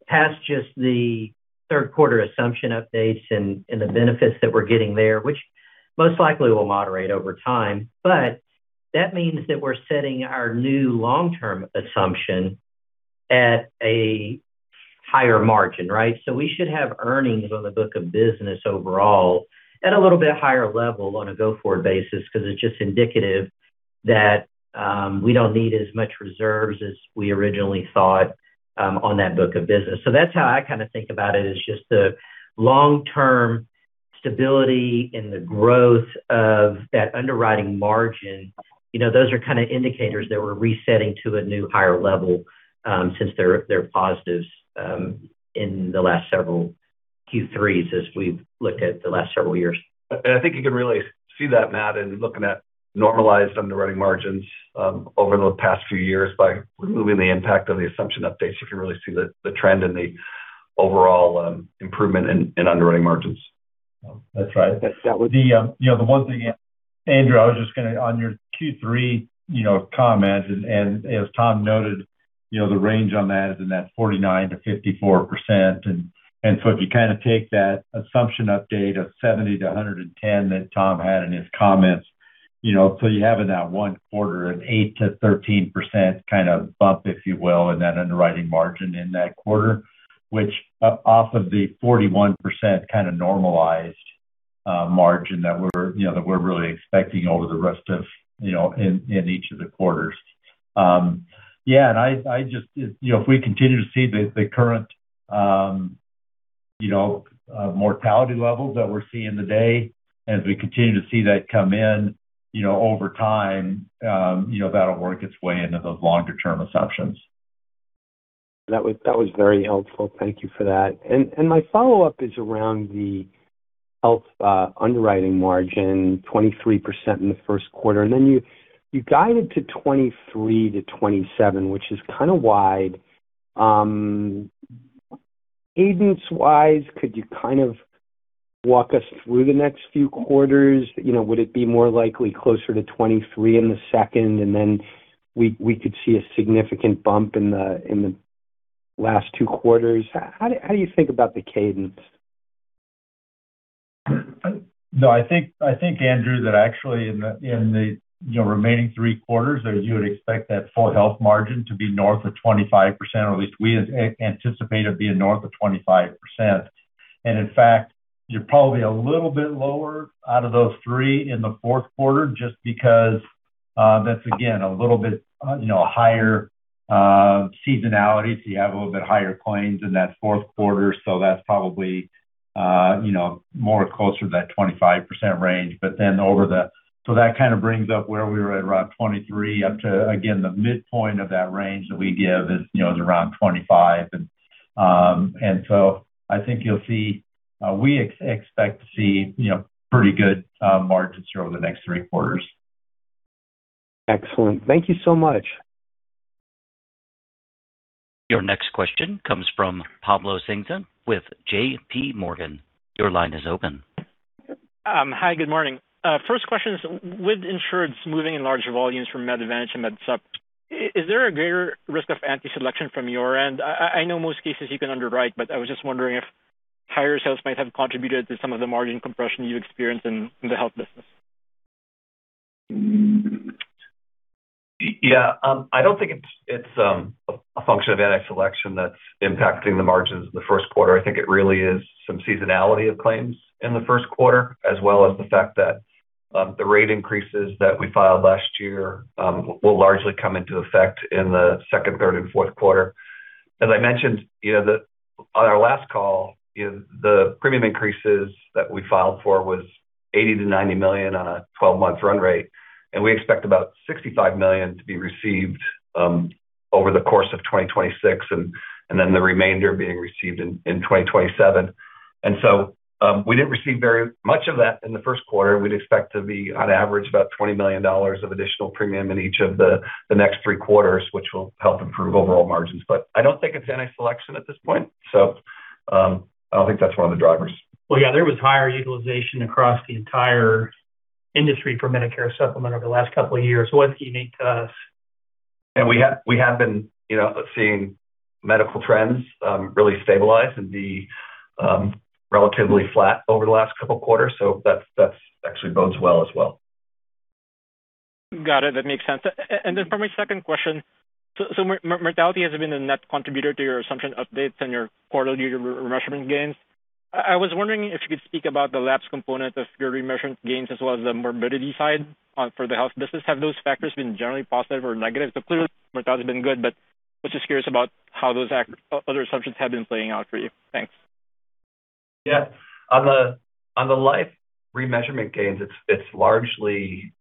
past just the third quarter assumption updates and the benefits that we're getting there, which most likely will moderate over time, but that means that we're setting our new long-term assumption at a higher margin, right? We should have earnings on the book of business overall at a little bit higher level on a go-forward basis, because it's just indicative that we don't need as much reserves as we originally thought on that book of business. That's how I kind of think about it, is just the long-term stability and the growth of that underwriting margin. Those are kind of indicators that we're resetting to a new higher level since they're positives in the last several Q3s as we've looked at the last several years. I think you can really see that, Matt, in looking at normalized underwriting margins over the past few years by removing the impact of the assumption updates, you can really see the trend in the overall improvement in underwriting margins. That's right. The one thing, Andrew, I was just going to, on your Q3 comment, and as Tom noted, the range on that is in that 49%-54%. If you kind of take that assumption update of 70-110 that Tom had in his comments, so you have in that one quarter an 8%-13% kind of bump, if you will, in that underwriting margin in that quarter, which off of the 41% kind of normalized margin that we're really expecting over the rest of in each of the quarters. Yeah, if we continue to see the current mortality levels that we're seeing today, as we continue to see that come in over time, that'll work its way into those longer-term assumptions. That was very helpful. Thank you for that. My follow-up is around the health underwriting margin, 23% in the first quarter, and then you guided to 23%-27%, which is kind of wide. Cadence-wise, could you kind of walk us through the next few quarters? Would it be more likely closer to 23% in the second, and then we could see a significant bump in the last two quarters? How do you think about the cadence? No, I think, Andrew, that actually in the remaining three quarters, you would expect that full health margin to be north of 25%, or at least we anticipate it being north of 25%. In fact, you're probably a little bit lower out of those three in the fourth quarter just because, that's again, a little bit higher seasonality, so you have a little bit higher claims in that fourth quarter. That's probably more closer to that 25% range. Then over the, so that kind of brings up where we were at around 23 up to, again, the midpoint of that range that we give is around 25. I think you'll see, we expect to see pretty good margins over the next three quarters. Excellent. Thank you so much. Your next question comes from Jimmy Bhullar with J.P. Morgan. Your line is open. Hi. Good morning. First question is, with insureds moving in larger volumes from Medicare Advantage to Medicare Supplement, is there a greater risk of anti-selection from your end? I know most cases you can underwrite, but I was just wondering if higher sales might have contributed to some of the margin compression you've experienced in the health business. Yeah. I don't think it's a function of adverse selection that's impacting the margins in the first quarter. I think it really is some seasonality of claims in the first quarter, as well as the fact that the rate increases that we filed last year will largely come into effect in the second, third, and fourth quarter. As I mentioned on our last call, the premium increases that we filed for was $80 million-90 million on a twelve-month run rate, and we expect about $65 million to be received over the course of 2026, and then the remainder being received in 2027. We didn't receive very much of that in the first quarter. We'd expect to be, on average, about $20 million of additional premium in each of the next three quarters, which will help improve overall margins. I don't think it's adverse selection at this point. I don't think that's one of the drivers. Well, yeah, there was higher utilization across the entire industry for Medicare Supplement over the last couple of years. It wasn't unique to us. We have been seeing medical trends really stabilize and be relatively flat over the last couple quarters. That actually bodes well as well. Got it. That makes sense. For my second question, mortality has been a net contributor to your assumption updates and your quarterly remeasurement gains. I was wondering if you could speak about the lapse component of your remeasurement gains as well as the morbidity side for the health business. Have those factors been generally positive or negative? Clearly mortality's been good, but was just curious about how those other assumptions have been playing out for you. Thanks. Yeah. On the life remeasurement gains, it's largely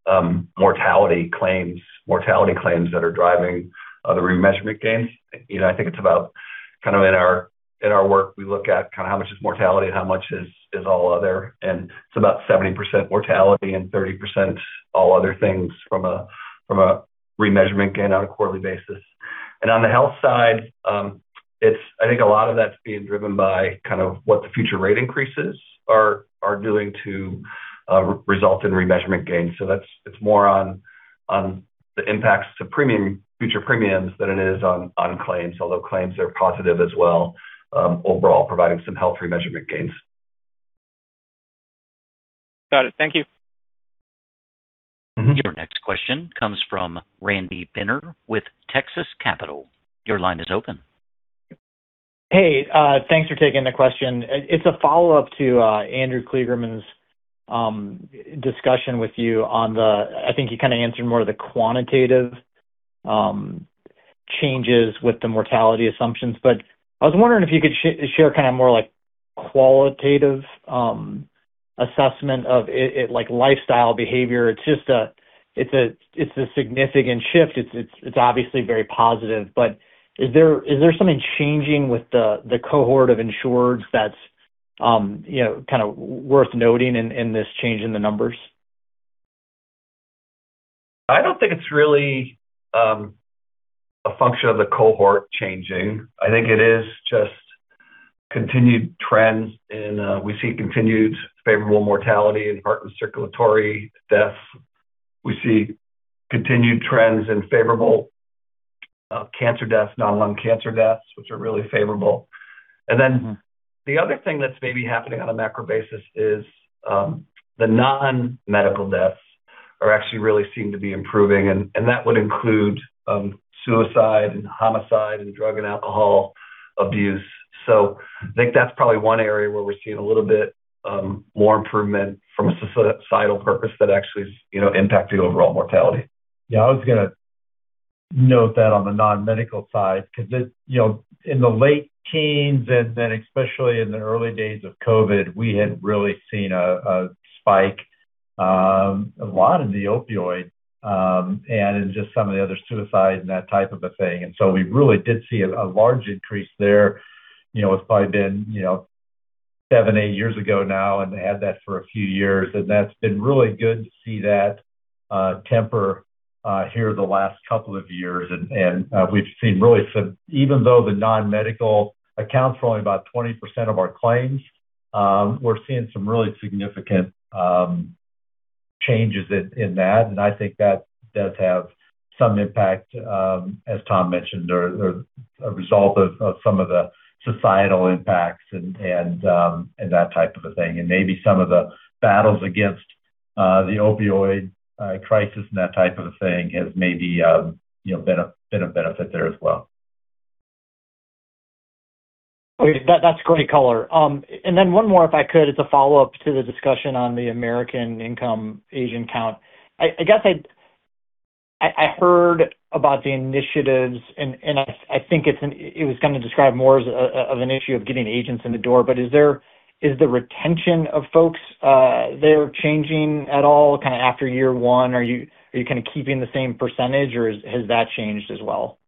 mortality claims that are driving the remeasurement gains. I think it's about kind of in our work, we look at kind of how much is mortality and how much is all other, and it's about 70% mortality and 30% all other things from a remeasurement gain on a quarterly basis. On the health side, I think a lot of that's being driven by kind of what the future rate increases are doing to result in remeasurement gains. It's more on the impacts to future premiums than it is on claims, although claims are positive as well overall, providing some health remeasurement gains. Got it. Thank you. Mm-hmm. Your next question comes from Randy Binner with Texas Capital. Your line is open. Hey, thanks for taking the question. It's a follow-up to Andrew Kligerman's discussion with you on the, I think you kind of answered more of the quantitative changes with the mortality assumptions. I was wondering if you could share kind of more like qualitative assessment of it, like lifestyle behavior. It's a significant shift. It's obviously very positive. Is there something changing with the cohort of insureds that's kind of worth noting in this change in the numbers? I don't think it's really a function of the cohort changing. I think it is just continued trends, and we see continued favorable mortality in heart and circulatory deaths. We see continued trends in favorable cancer deaths, non-lung cancer deaths, which are really favorable. The other thing that's maybe happening on a macro basis is the non-medical deaths are actually really seeming to be improving, and that would include suicide and homicide and drug and alcohol abuse. I think that's probably one area where we're seeing a little bit more improvement from a societal purpose that actually is impacting overall mortality. Yeah, I was going to note that on the non-medical side, because in the late teens and then especially in the early days of COVID, we had really seen a spike, a lot in the opioid, and in just some of the other suicides and that type of a thing. We really did see a large increase there. It's probably been seven, eight years ago now, and had that for a few years, and that's been really good to see that temper here the last couple of years. We've seen really some, even though the non-medical accounts for only about 20% of our claims, we're seeing some really significant changes in that, and I think that does have some impact, as Tom mentioned, or a result of some of the societal impacts and that type of a thing. Maybe some of the battles against the opioid crisis and that type of a thing has maybe been a benefit there as well. That's great color. One more, if I could, as a follow-up to the discussion on the American Income agent count. I guess I heard about the initiatives, and I think it was kind of described more as an issue of getting agents in the door. Is the retention of folks there changing at all kind of after year one? Are you kind of keeping the same percentage, or has that changed as well?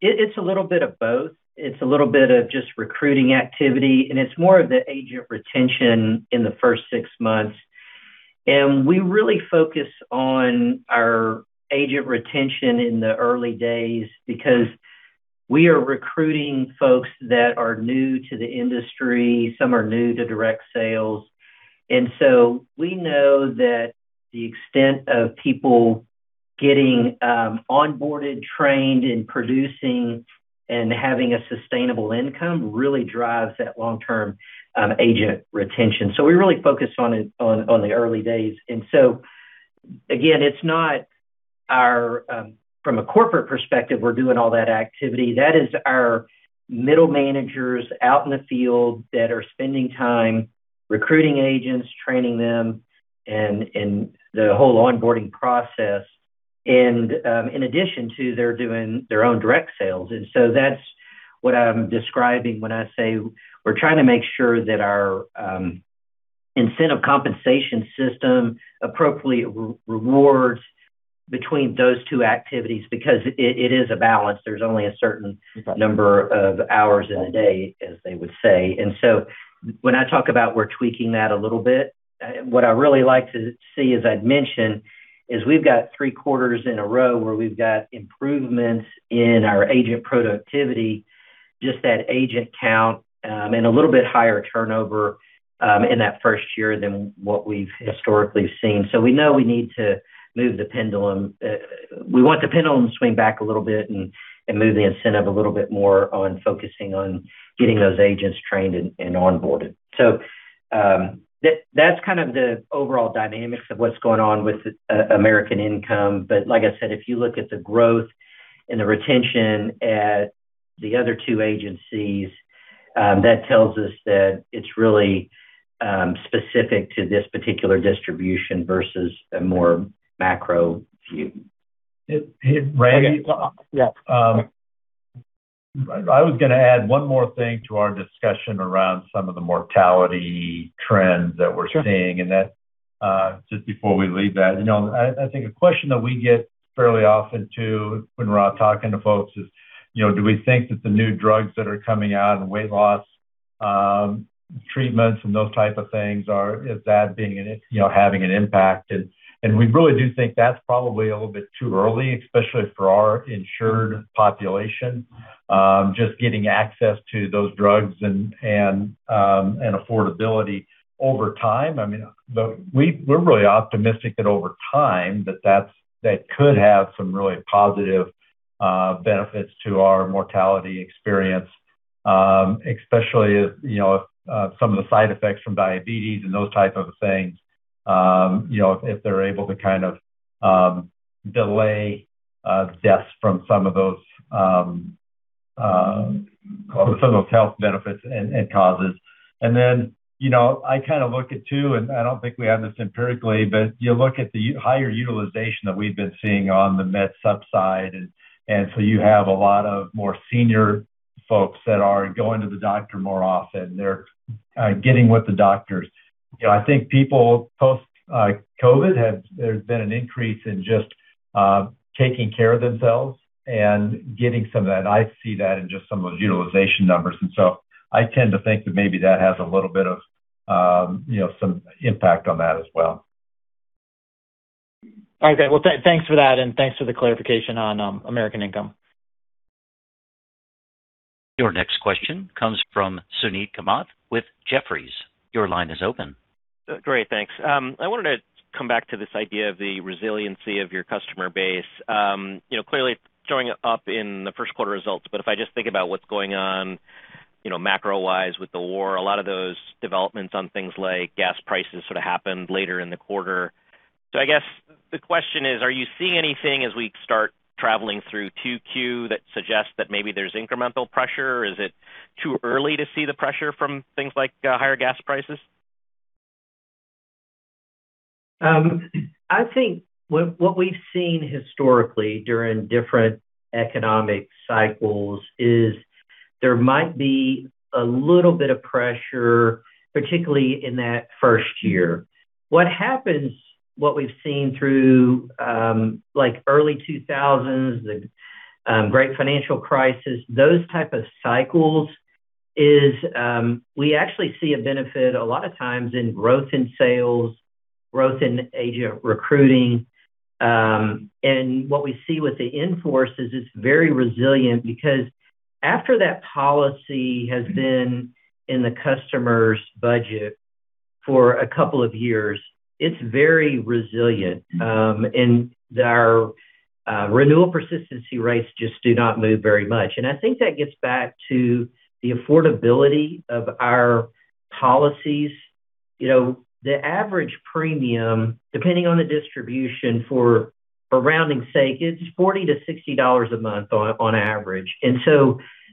It's a little bit of both. It's a little bit of just recruiting activity, and it's more of the agent retention in the first six months. We really focus on our agent retention in the early days because we are recruiting folks that are new to the industry. Some are new to direct sales. We know that the extent of people getting onboarded, trained, and producing and having a sustainable income really drives that long-term agent retention. We really focus on the early days. Again, it's not from a corporate perspective, we're doing all that activity. That is our middle managers out in the field that are spending time recruiting agents, training them, and the whole onboarding process. In addition to, they're doing their own direct sales. That's what I'm describing when I say we're trying to make sure that our incentive compensation system appropriately rewards between those two activities because it is a balance. There's only a certain number of hours in a day, as they would say. When I talk about we're tweaking that a little bit, what I really like to see, as I'd mentioned, is we've got three quarters in a row where we've got improvements in our agent productivity, just that agent count, and a little bit higher turnover in that first year than what we've historically seen. We know we need to move the pendulum. We want the pendulum to swing back a little bit and move the incentive a little bit more on focusing on getting those agents trained and onboarded. That's kind of the overall dynamics of what's going on with American Income. like I said, if you look at the growth and the retention at the other two agencies, that tells us that it's really specific to this particular distribution versus a more macro view. Randy? Yes. I was going to add one more thing to our discussion around some of the mortality trends that we're seeing, and that just before we leave that. I think a question that we get fairly often, too, when we're out talking to folks is do we think that the new drugs that are coming out and weight loss treatments and those type of things are, is that having an impact? We really do think that's probably a little bit too early, especially for our insured population, just getting access to those drugs and affordability over time. I mean, we're really optimistic that over time, that could have some really positive benefits to our mortality experience. Especially some of the side effects from diabetes and those type of things, if they're able to kind of delay deaths from some of those health benefits and causes. I kind of look at too, and I don't think we have this empirically, but you look at the higher utilization that we've been seeing on the Med Sup side, and so you have a lot of more senior folks that are going to the doctor more often. They're getting with the doctors. I think people post-COVID, there's been an increase in just taking care of themselves and getting some of that. I see that in just some of those utilization numbers. I tend to think that maybe that has a little bit of some impact on that as well. Okay. Well, thanks for that, and thanks for the clarification on American Income. Your next question comes from Suneet Kamath with Jefferies. Your line is open. Great. Thanks. I wanted to come back to this idea of the resiliency of your customer base. Clearly it's showing up in the first quarter results, but if I just think about what's going on macro-wise with the war, a lot of those developments on things like gas prices sort of happened later in the quarter. I guess the question is, are you seeing anything as we start traveling through 2Q that suggests that maybe there's incremental pressure? Is it too early to see the pressure from things like higher gas prices? I think what we've seen historically during different economic cycles is there might be a little bit of pressure, particularly in that first-year. What happens, what we've seen through early 2000s, the great financial crisis, those type of cycles, is we actually see a benefit a lot of times in growth in sales, growth in agent recruiting. What we see with the in-force is it's very resilient because after that policy has been in the customer's budget for a couple of years, it's very resilient. Our renewal persistency rates just do not move very much. I think that gets back to the affordability of our policies. The average premium, depending on the distribution, for rounding sake, is $40-60 a month on average.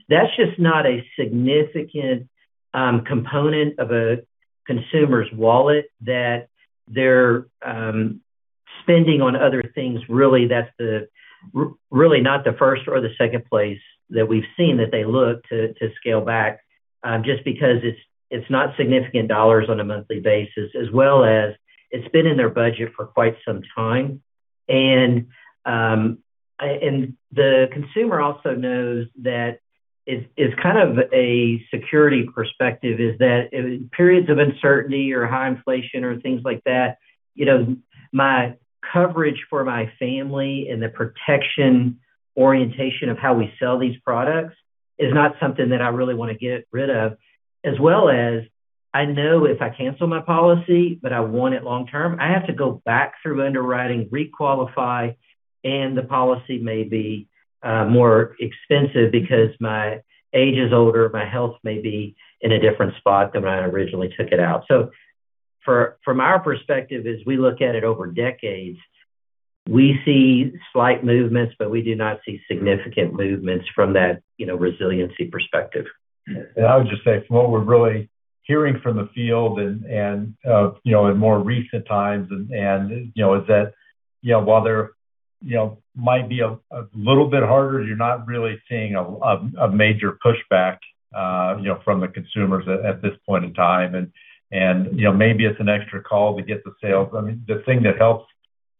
That's just not a significant component of a consumer's wallet that they're spending on other things, really, that's really not the first or the second place that we've seen that they look to scale back, just because it's not significant dollars on a monthly basis, as well as it's been in their budget for quite some time. The consumer also knows that it's kind of a security perspective, is that in periods of uncertainty or high inflation or things like that, my coverage for my family and the protection orientation of how we sell these products is not something that I really want to get rid of. As well as, I know if I cancel my policy, but I want it long-term, I have to go back through underwriting, re-qualify, and the policy may be more expensive because my age is older, my health may be in a different spot than when I originally took it out. From our perspective, as we look at it over decades, we see slight movements, but we do not see significant movements from that resiliency perspective. I would just say from what we're really hearing from the field and in more recent times, is that while there might be a little bit harder, you're not really seeing a major pushback from the consumers at this point in time. Maybe it's an extra call to get the sale. I mean, the thing that helps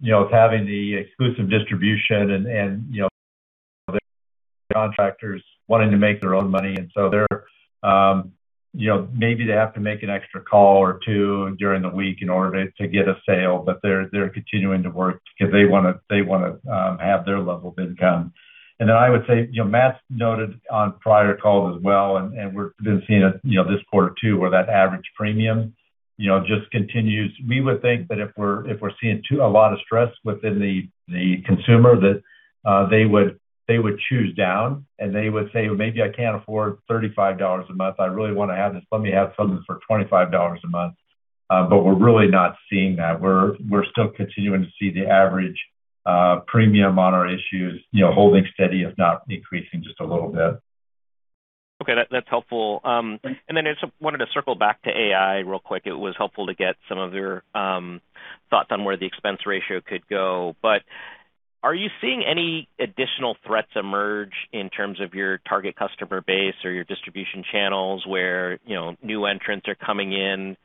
is having the exclusive distribution and the contractors wanting to make their own money, and so maybe they have to make an extra call or two during the week in order to get a sale, but they're continuing to work because they want to have their level of income. I would say, Matt's noted on prior calls as well, and we've been seeing it this quarter too, where that average premium just continues. We would think that if we're seeing a lot of stress within the consumer, that they would choose down, and they would say, "Well, maybe I can't afford $35 a month. I really want to have this. Let me have something for $25 a month." But we're really not seeing that. We're still continuing to see the average premium on our issues holding steady, if not increasing just a little bit. Okay. That's helpful. Then I just wanted to circle back to AI real quick. It was helpful to get some of your thoughts on where the expense ratio could go. Are you seeing any additional threats emerge in terms of your target customer base or your distribution channels where new entrants are coming in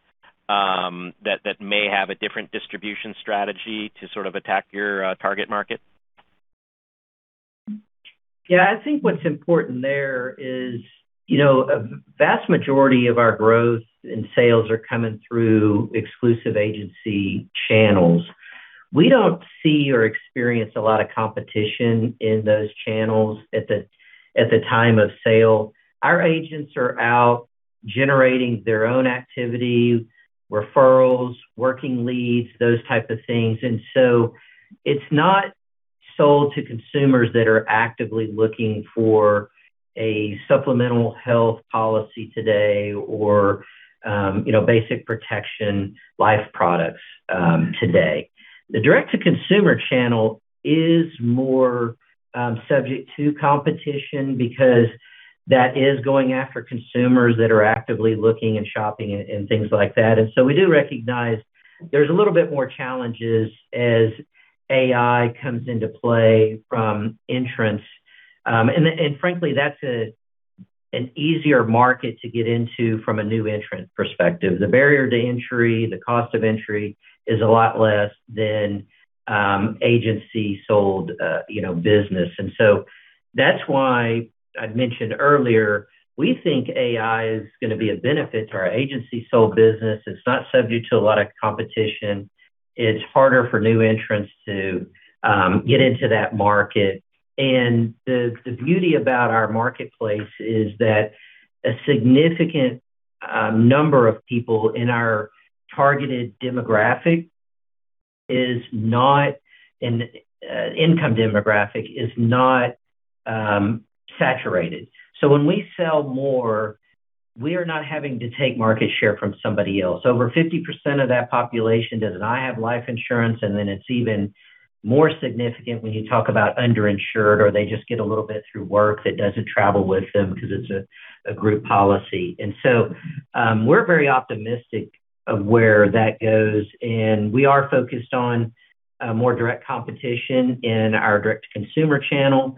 that may have a different distribution strategy to sort of attack your target market? Yeah. I think what's important there is a vast majority of our growth in sales are coming through exclusive agency channels. We don't see or experience a lot of competition in those channels at the time of sale. Our agents are out generating their own activity, referrals, working leads, those type of things. It's not sold to consumers that are actively looking for a supplemental health policy today or basic protection life products today. The direct-to-consumer channel is more subject to competition because that is going after consumers that are actively looking and shopping and things like that. We do recognize there's a little bit more challenges as AI comes into play from entrants. Frankly, that's an easier market to get into from a new entrant perspective. The barrier to entry, the cost of entry is a lot less than agency sold business. That's why I mentioned earlier, we think AI is going to be a benefit to our agency sold business. It's not subject to a lot of competition. It's harder for new entrants to get into that market. The beauty about our marketplace is that a significant number of people in our targeted demographic, income demographic is not saturated. When we sell more, we are not having to take market share from somebody else. Over 50% of that population does not have life insurance, and then it's even more significant when you talk about underinsured, or they just get a little bit through work that doesn't travel with them because it's a group policy. We're very optimistic of where that goes, and we are focused on more direct competition in our direct-to-consumer channel.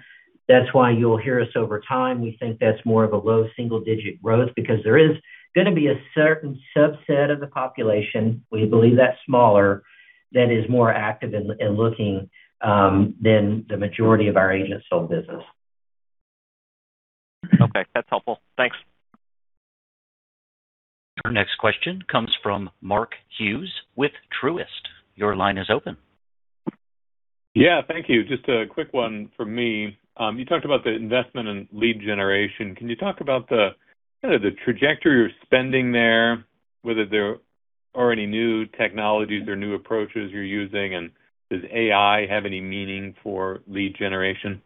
That's why you'll hear us over time. We think that's more of a low single-digit growth because there is going to be a certain subset of the population, we believe that's smaller, that is more active in looking than the majority of our agent-sold business. Okay, that's helpful. Thanks. Our next question comes from Mark Hughes with Truist. Your line is open. Yeah, thank you. Just a quick one from me. You talked about the investment in lead generation. Can you talk about the trajectory you're spending there, whether there are any new technologies or new approaches you're using, and does AI have any meaning for lead generation?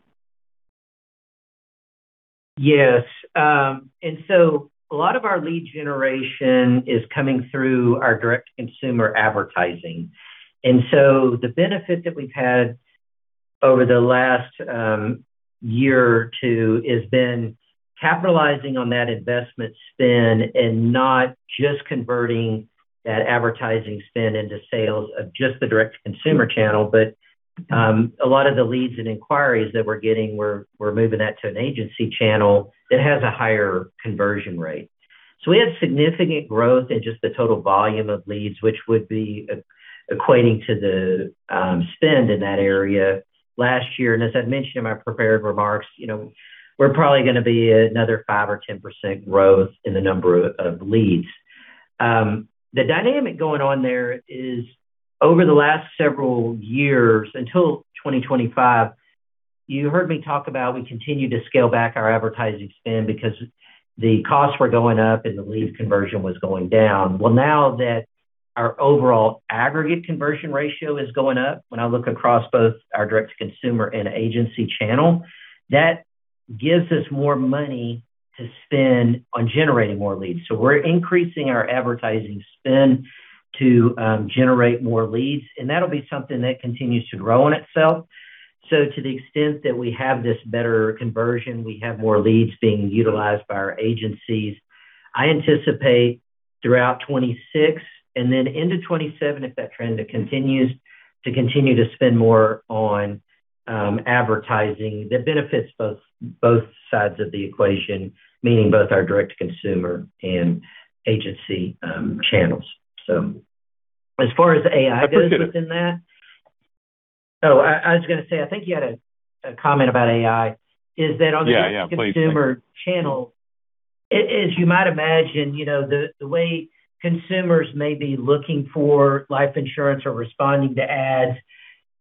Yes. A lot of our lead generation is coming through our direct-to-consumer advertising. The benefit that we've had over the last year or two has been capitalizing on that investment spend and not just converting that advertising spend into sales of just the direct-to-consumer channel. A lot of the leads and inquiries that we're getting, we're moving that to an agency channel that has a higher conversion rate. We had significant growth in just the total volume of leads, which would be equating to the spend in that area last year. As I mentioned in my prepared remarks, we're probably going to be another 5%-10% growth in the number of leads. The dynamic going on there is over the last several years, until 2025, you heard me talk about we continued to scale back our advertising spend because the costs were going up and the lead conversion was going down. Well, now that our overall aggregate conversion ratio is going up, when I look across both our direct-to-consumer and agency channel, that gives us more money to spend on generating more leads. We're increasing our advertising spend to generate more leads, and that'll be something that continues to grow in itself. To the extent that we have this better conversion, we have more leads being utilized by our agencies. I anticipate throughout 2026 and then into 2027, if that trend continues, to continue to spend more on advertising that benefits both sides of the equation, meaning both our direct-to-consumer and agency channels. As far as AI goes within that. Oh, I was going to say, I think you had a comment about AI. Is that on the- Yeah. Consumer channel, as you might imagine, the way consumers may be looking for life insurance or responding to ads,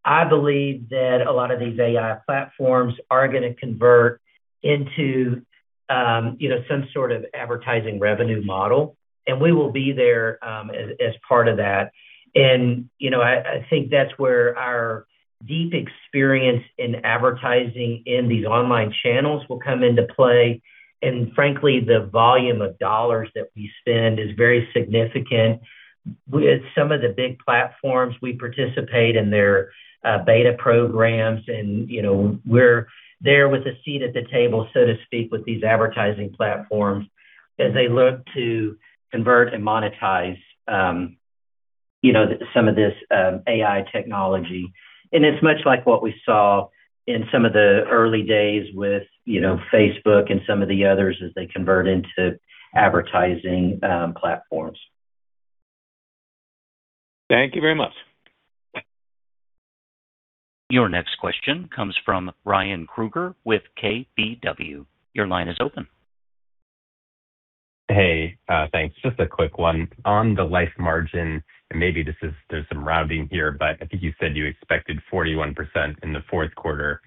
I believe that a lot of these AI platforms are going to convert into some sort of advertising revenue model, and we will be there as part of that. I think that's where our deep experience in advertising in these online channels will come into play. Frankly, the volume of dollars that we spend is very significant. With some of the big platforms, we participate in their beta programs, and we're there with a seat at the table, so to speak, with these advertising platforms as they look to convert and monetize some of this AI technology. It's much like what we saw in some of the early days with Facebook and some of the others as they convert into advertising platforms. Thank you very much. Your next question comes from Ryan Krueger with KBW. Your line is open. Hey, thanks. Just a quick one. On the life margin, and maybe there's some rounding here, but I think you said you expected 41% in the fourth quarter.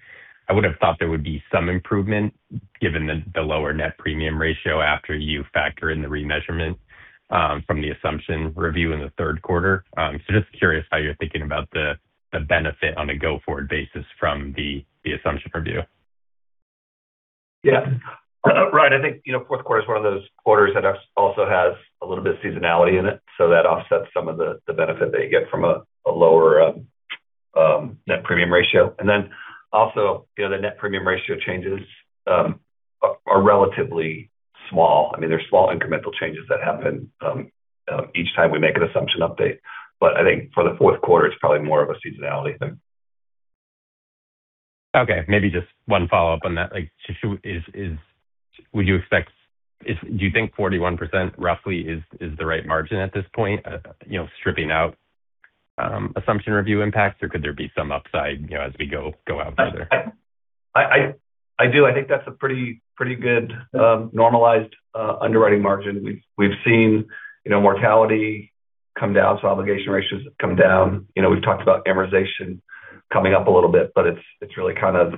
I would have thought there would be some improvement given the lower net premium ratio after you factor in the remeasurement from the assumption review in the third quarter. Just curious how you're thinking about the benefit on a go-forward basis from the assumption review. Yeah. Right. I think fourth quarter is one of those quarters that also has a little bit of seasonality in it, so that offsets some of the benefit that you get from a lower net premium ratio. Also, the net premium ratio changes are relatively small. I mean, they're small incremental changes that happen each time we make an assumption update. I think for the fourth quarter, it's probably more of a seasonality thing. Okay, maybe just one follow-up on that. Do you think 41% roughly is the right margin at this point, stripping out assumption review impacts, or could there be some upside as we go out further? I do. I think that's a pretty good normalized underwriting margin. We've seen mortality come down, so obligation ratios come down. We've talked about amortization coming up a little bit, but it's really kind of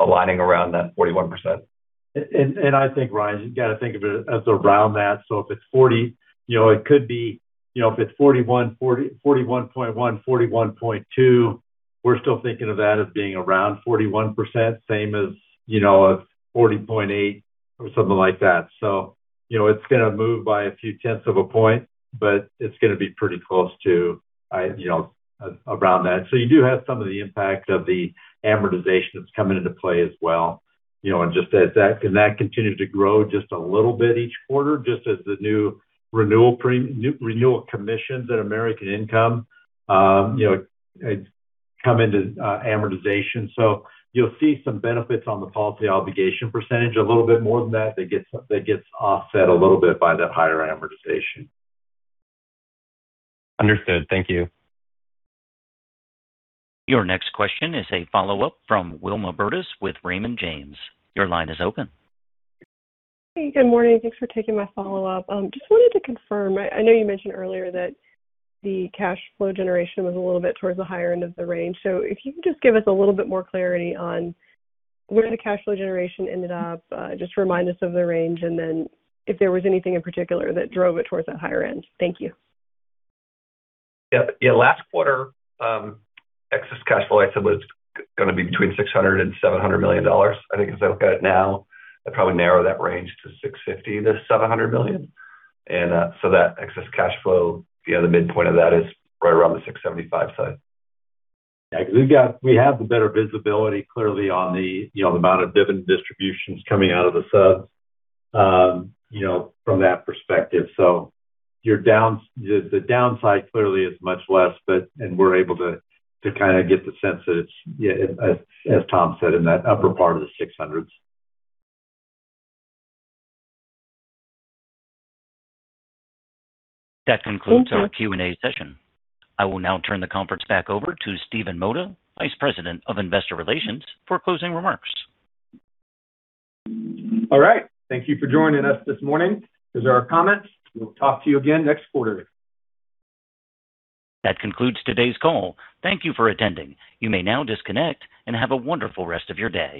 aligning around that 41%. I think, Ryan, you got to think of it as around that. If it's 40, it could be, if it's 41.1, 41.2, we're still thinking of that as being around 41%, same as 40.8 or something like that. It's going to move by a few tenths of a point, but it's going to be pretty close to around that. You do have some of the impact of the amortization that's coming into play as well. That continues to grow just a little bit each quarter, just as the new renewal commissions at American Income come into amortization. You'll see some benefits on the policy obligation percentage a little bit more than that. That gets offset a little bit by that higher amortization. Understood. Thank you. Your next question is a follow-up from Wilma Burdis with Raymond James. Your line is open. Hey, good morning. Thanks for taking my follow-up. Just wanted to confirm, I know you mentioned earlier that the cash flow generation was a little bit towards the higher end of the range. If you could just give us a little bit more clarity on where the cash flow generation ended up, just remind us of the range and then if there was anything in particular that drove it towards that higher end. Thank you. Yeah. Last quarter, excess cash flow I said was going to be between $600 million and $700 million. I think as I look at it now, I'd probably narrow that range to $650 million-700 million. That excess cash flow, the midpoint of that is right around the $675 side. Yeah. Because we have the better visibility clearly on the amount of dividend distributions coming out of the subs from that perspective. The downside clearly is much less, and we're able to kind of get the sense that it's, as Tom said, in that upper part of the 600s. That concludes our Q&A session. I will now turn the conference back over to Stephen Mota, Vice President of Investor Relations, for closing remarks. All right. Thank you for joining us this morning. Those are our comments. We'll talk to you again next quarter. That concludes today's call. Thank you for attending. You may now disconnect and have a wonderful rest of your day.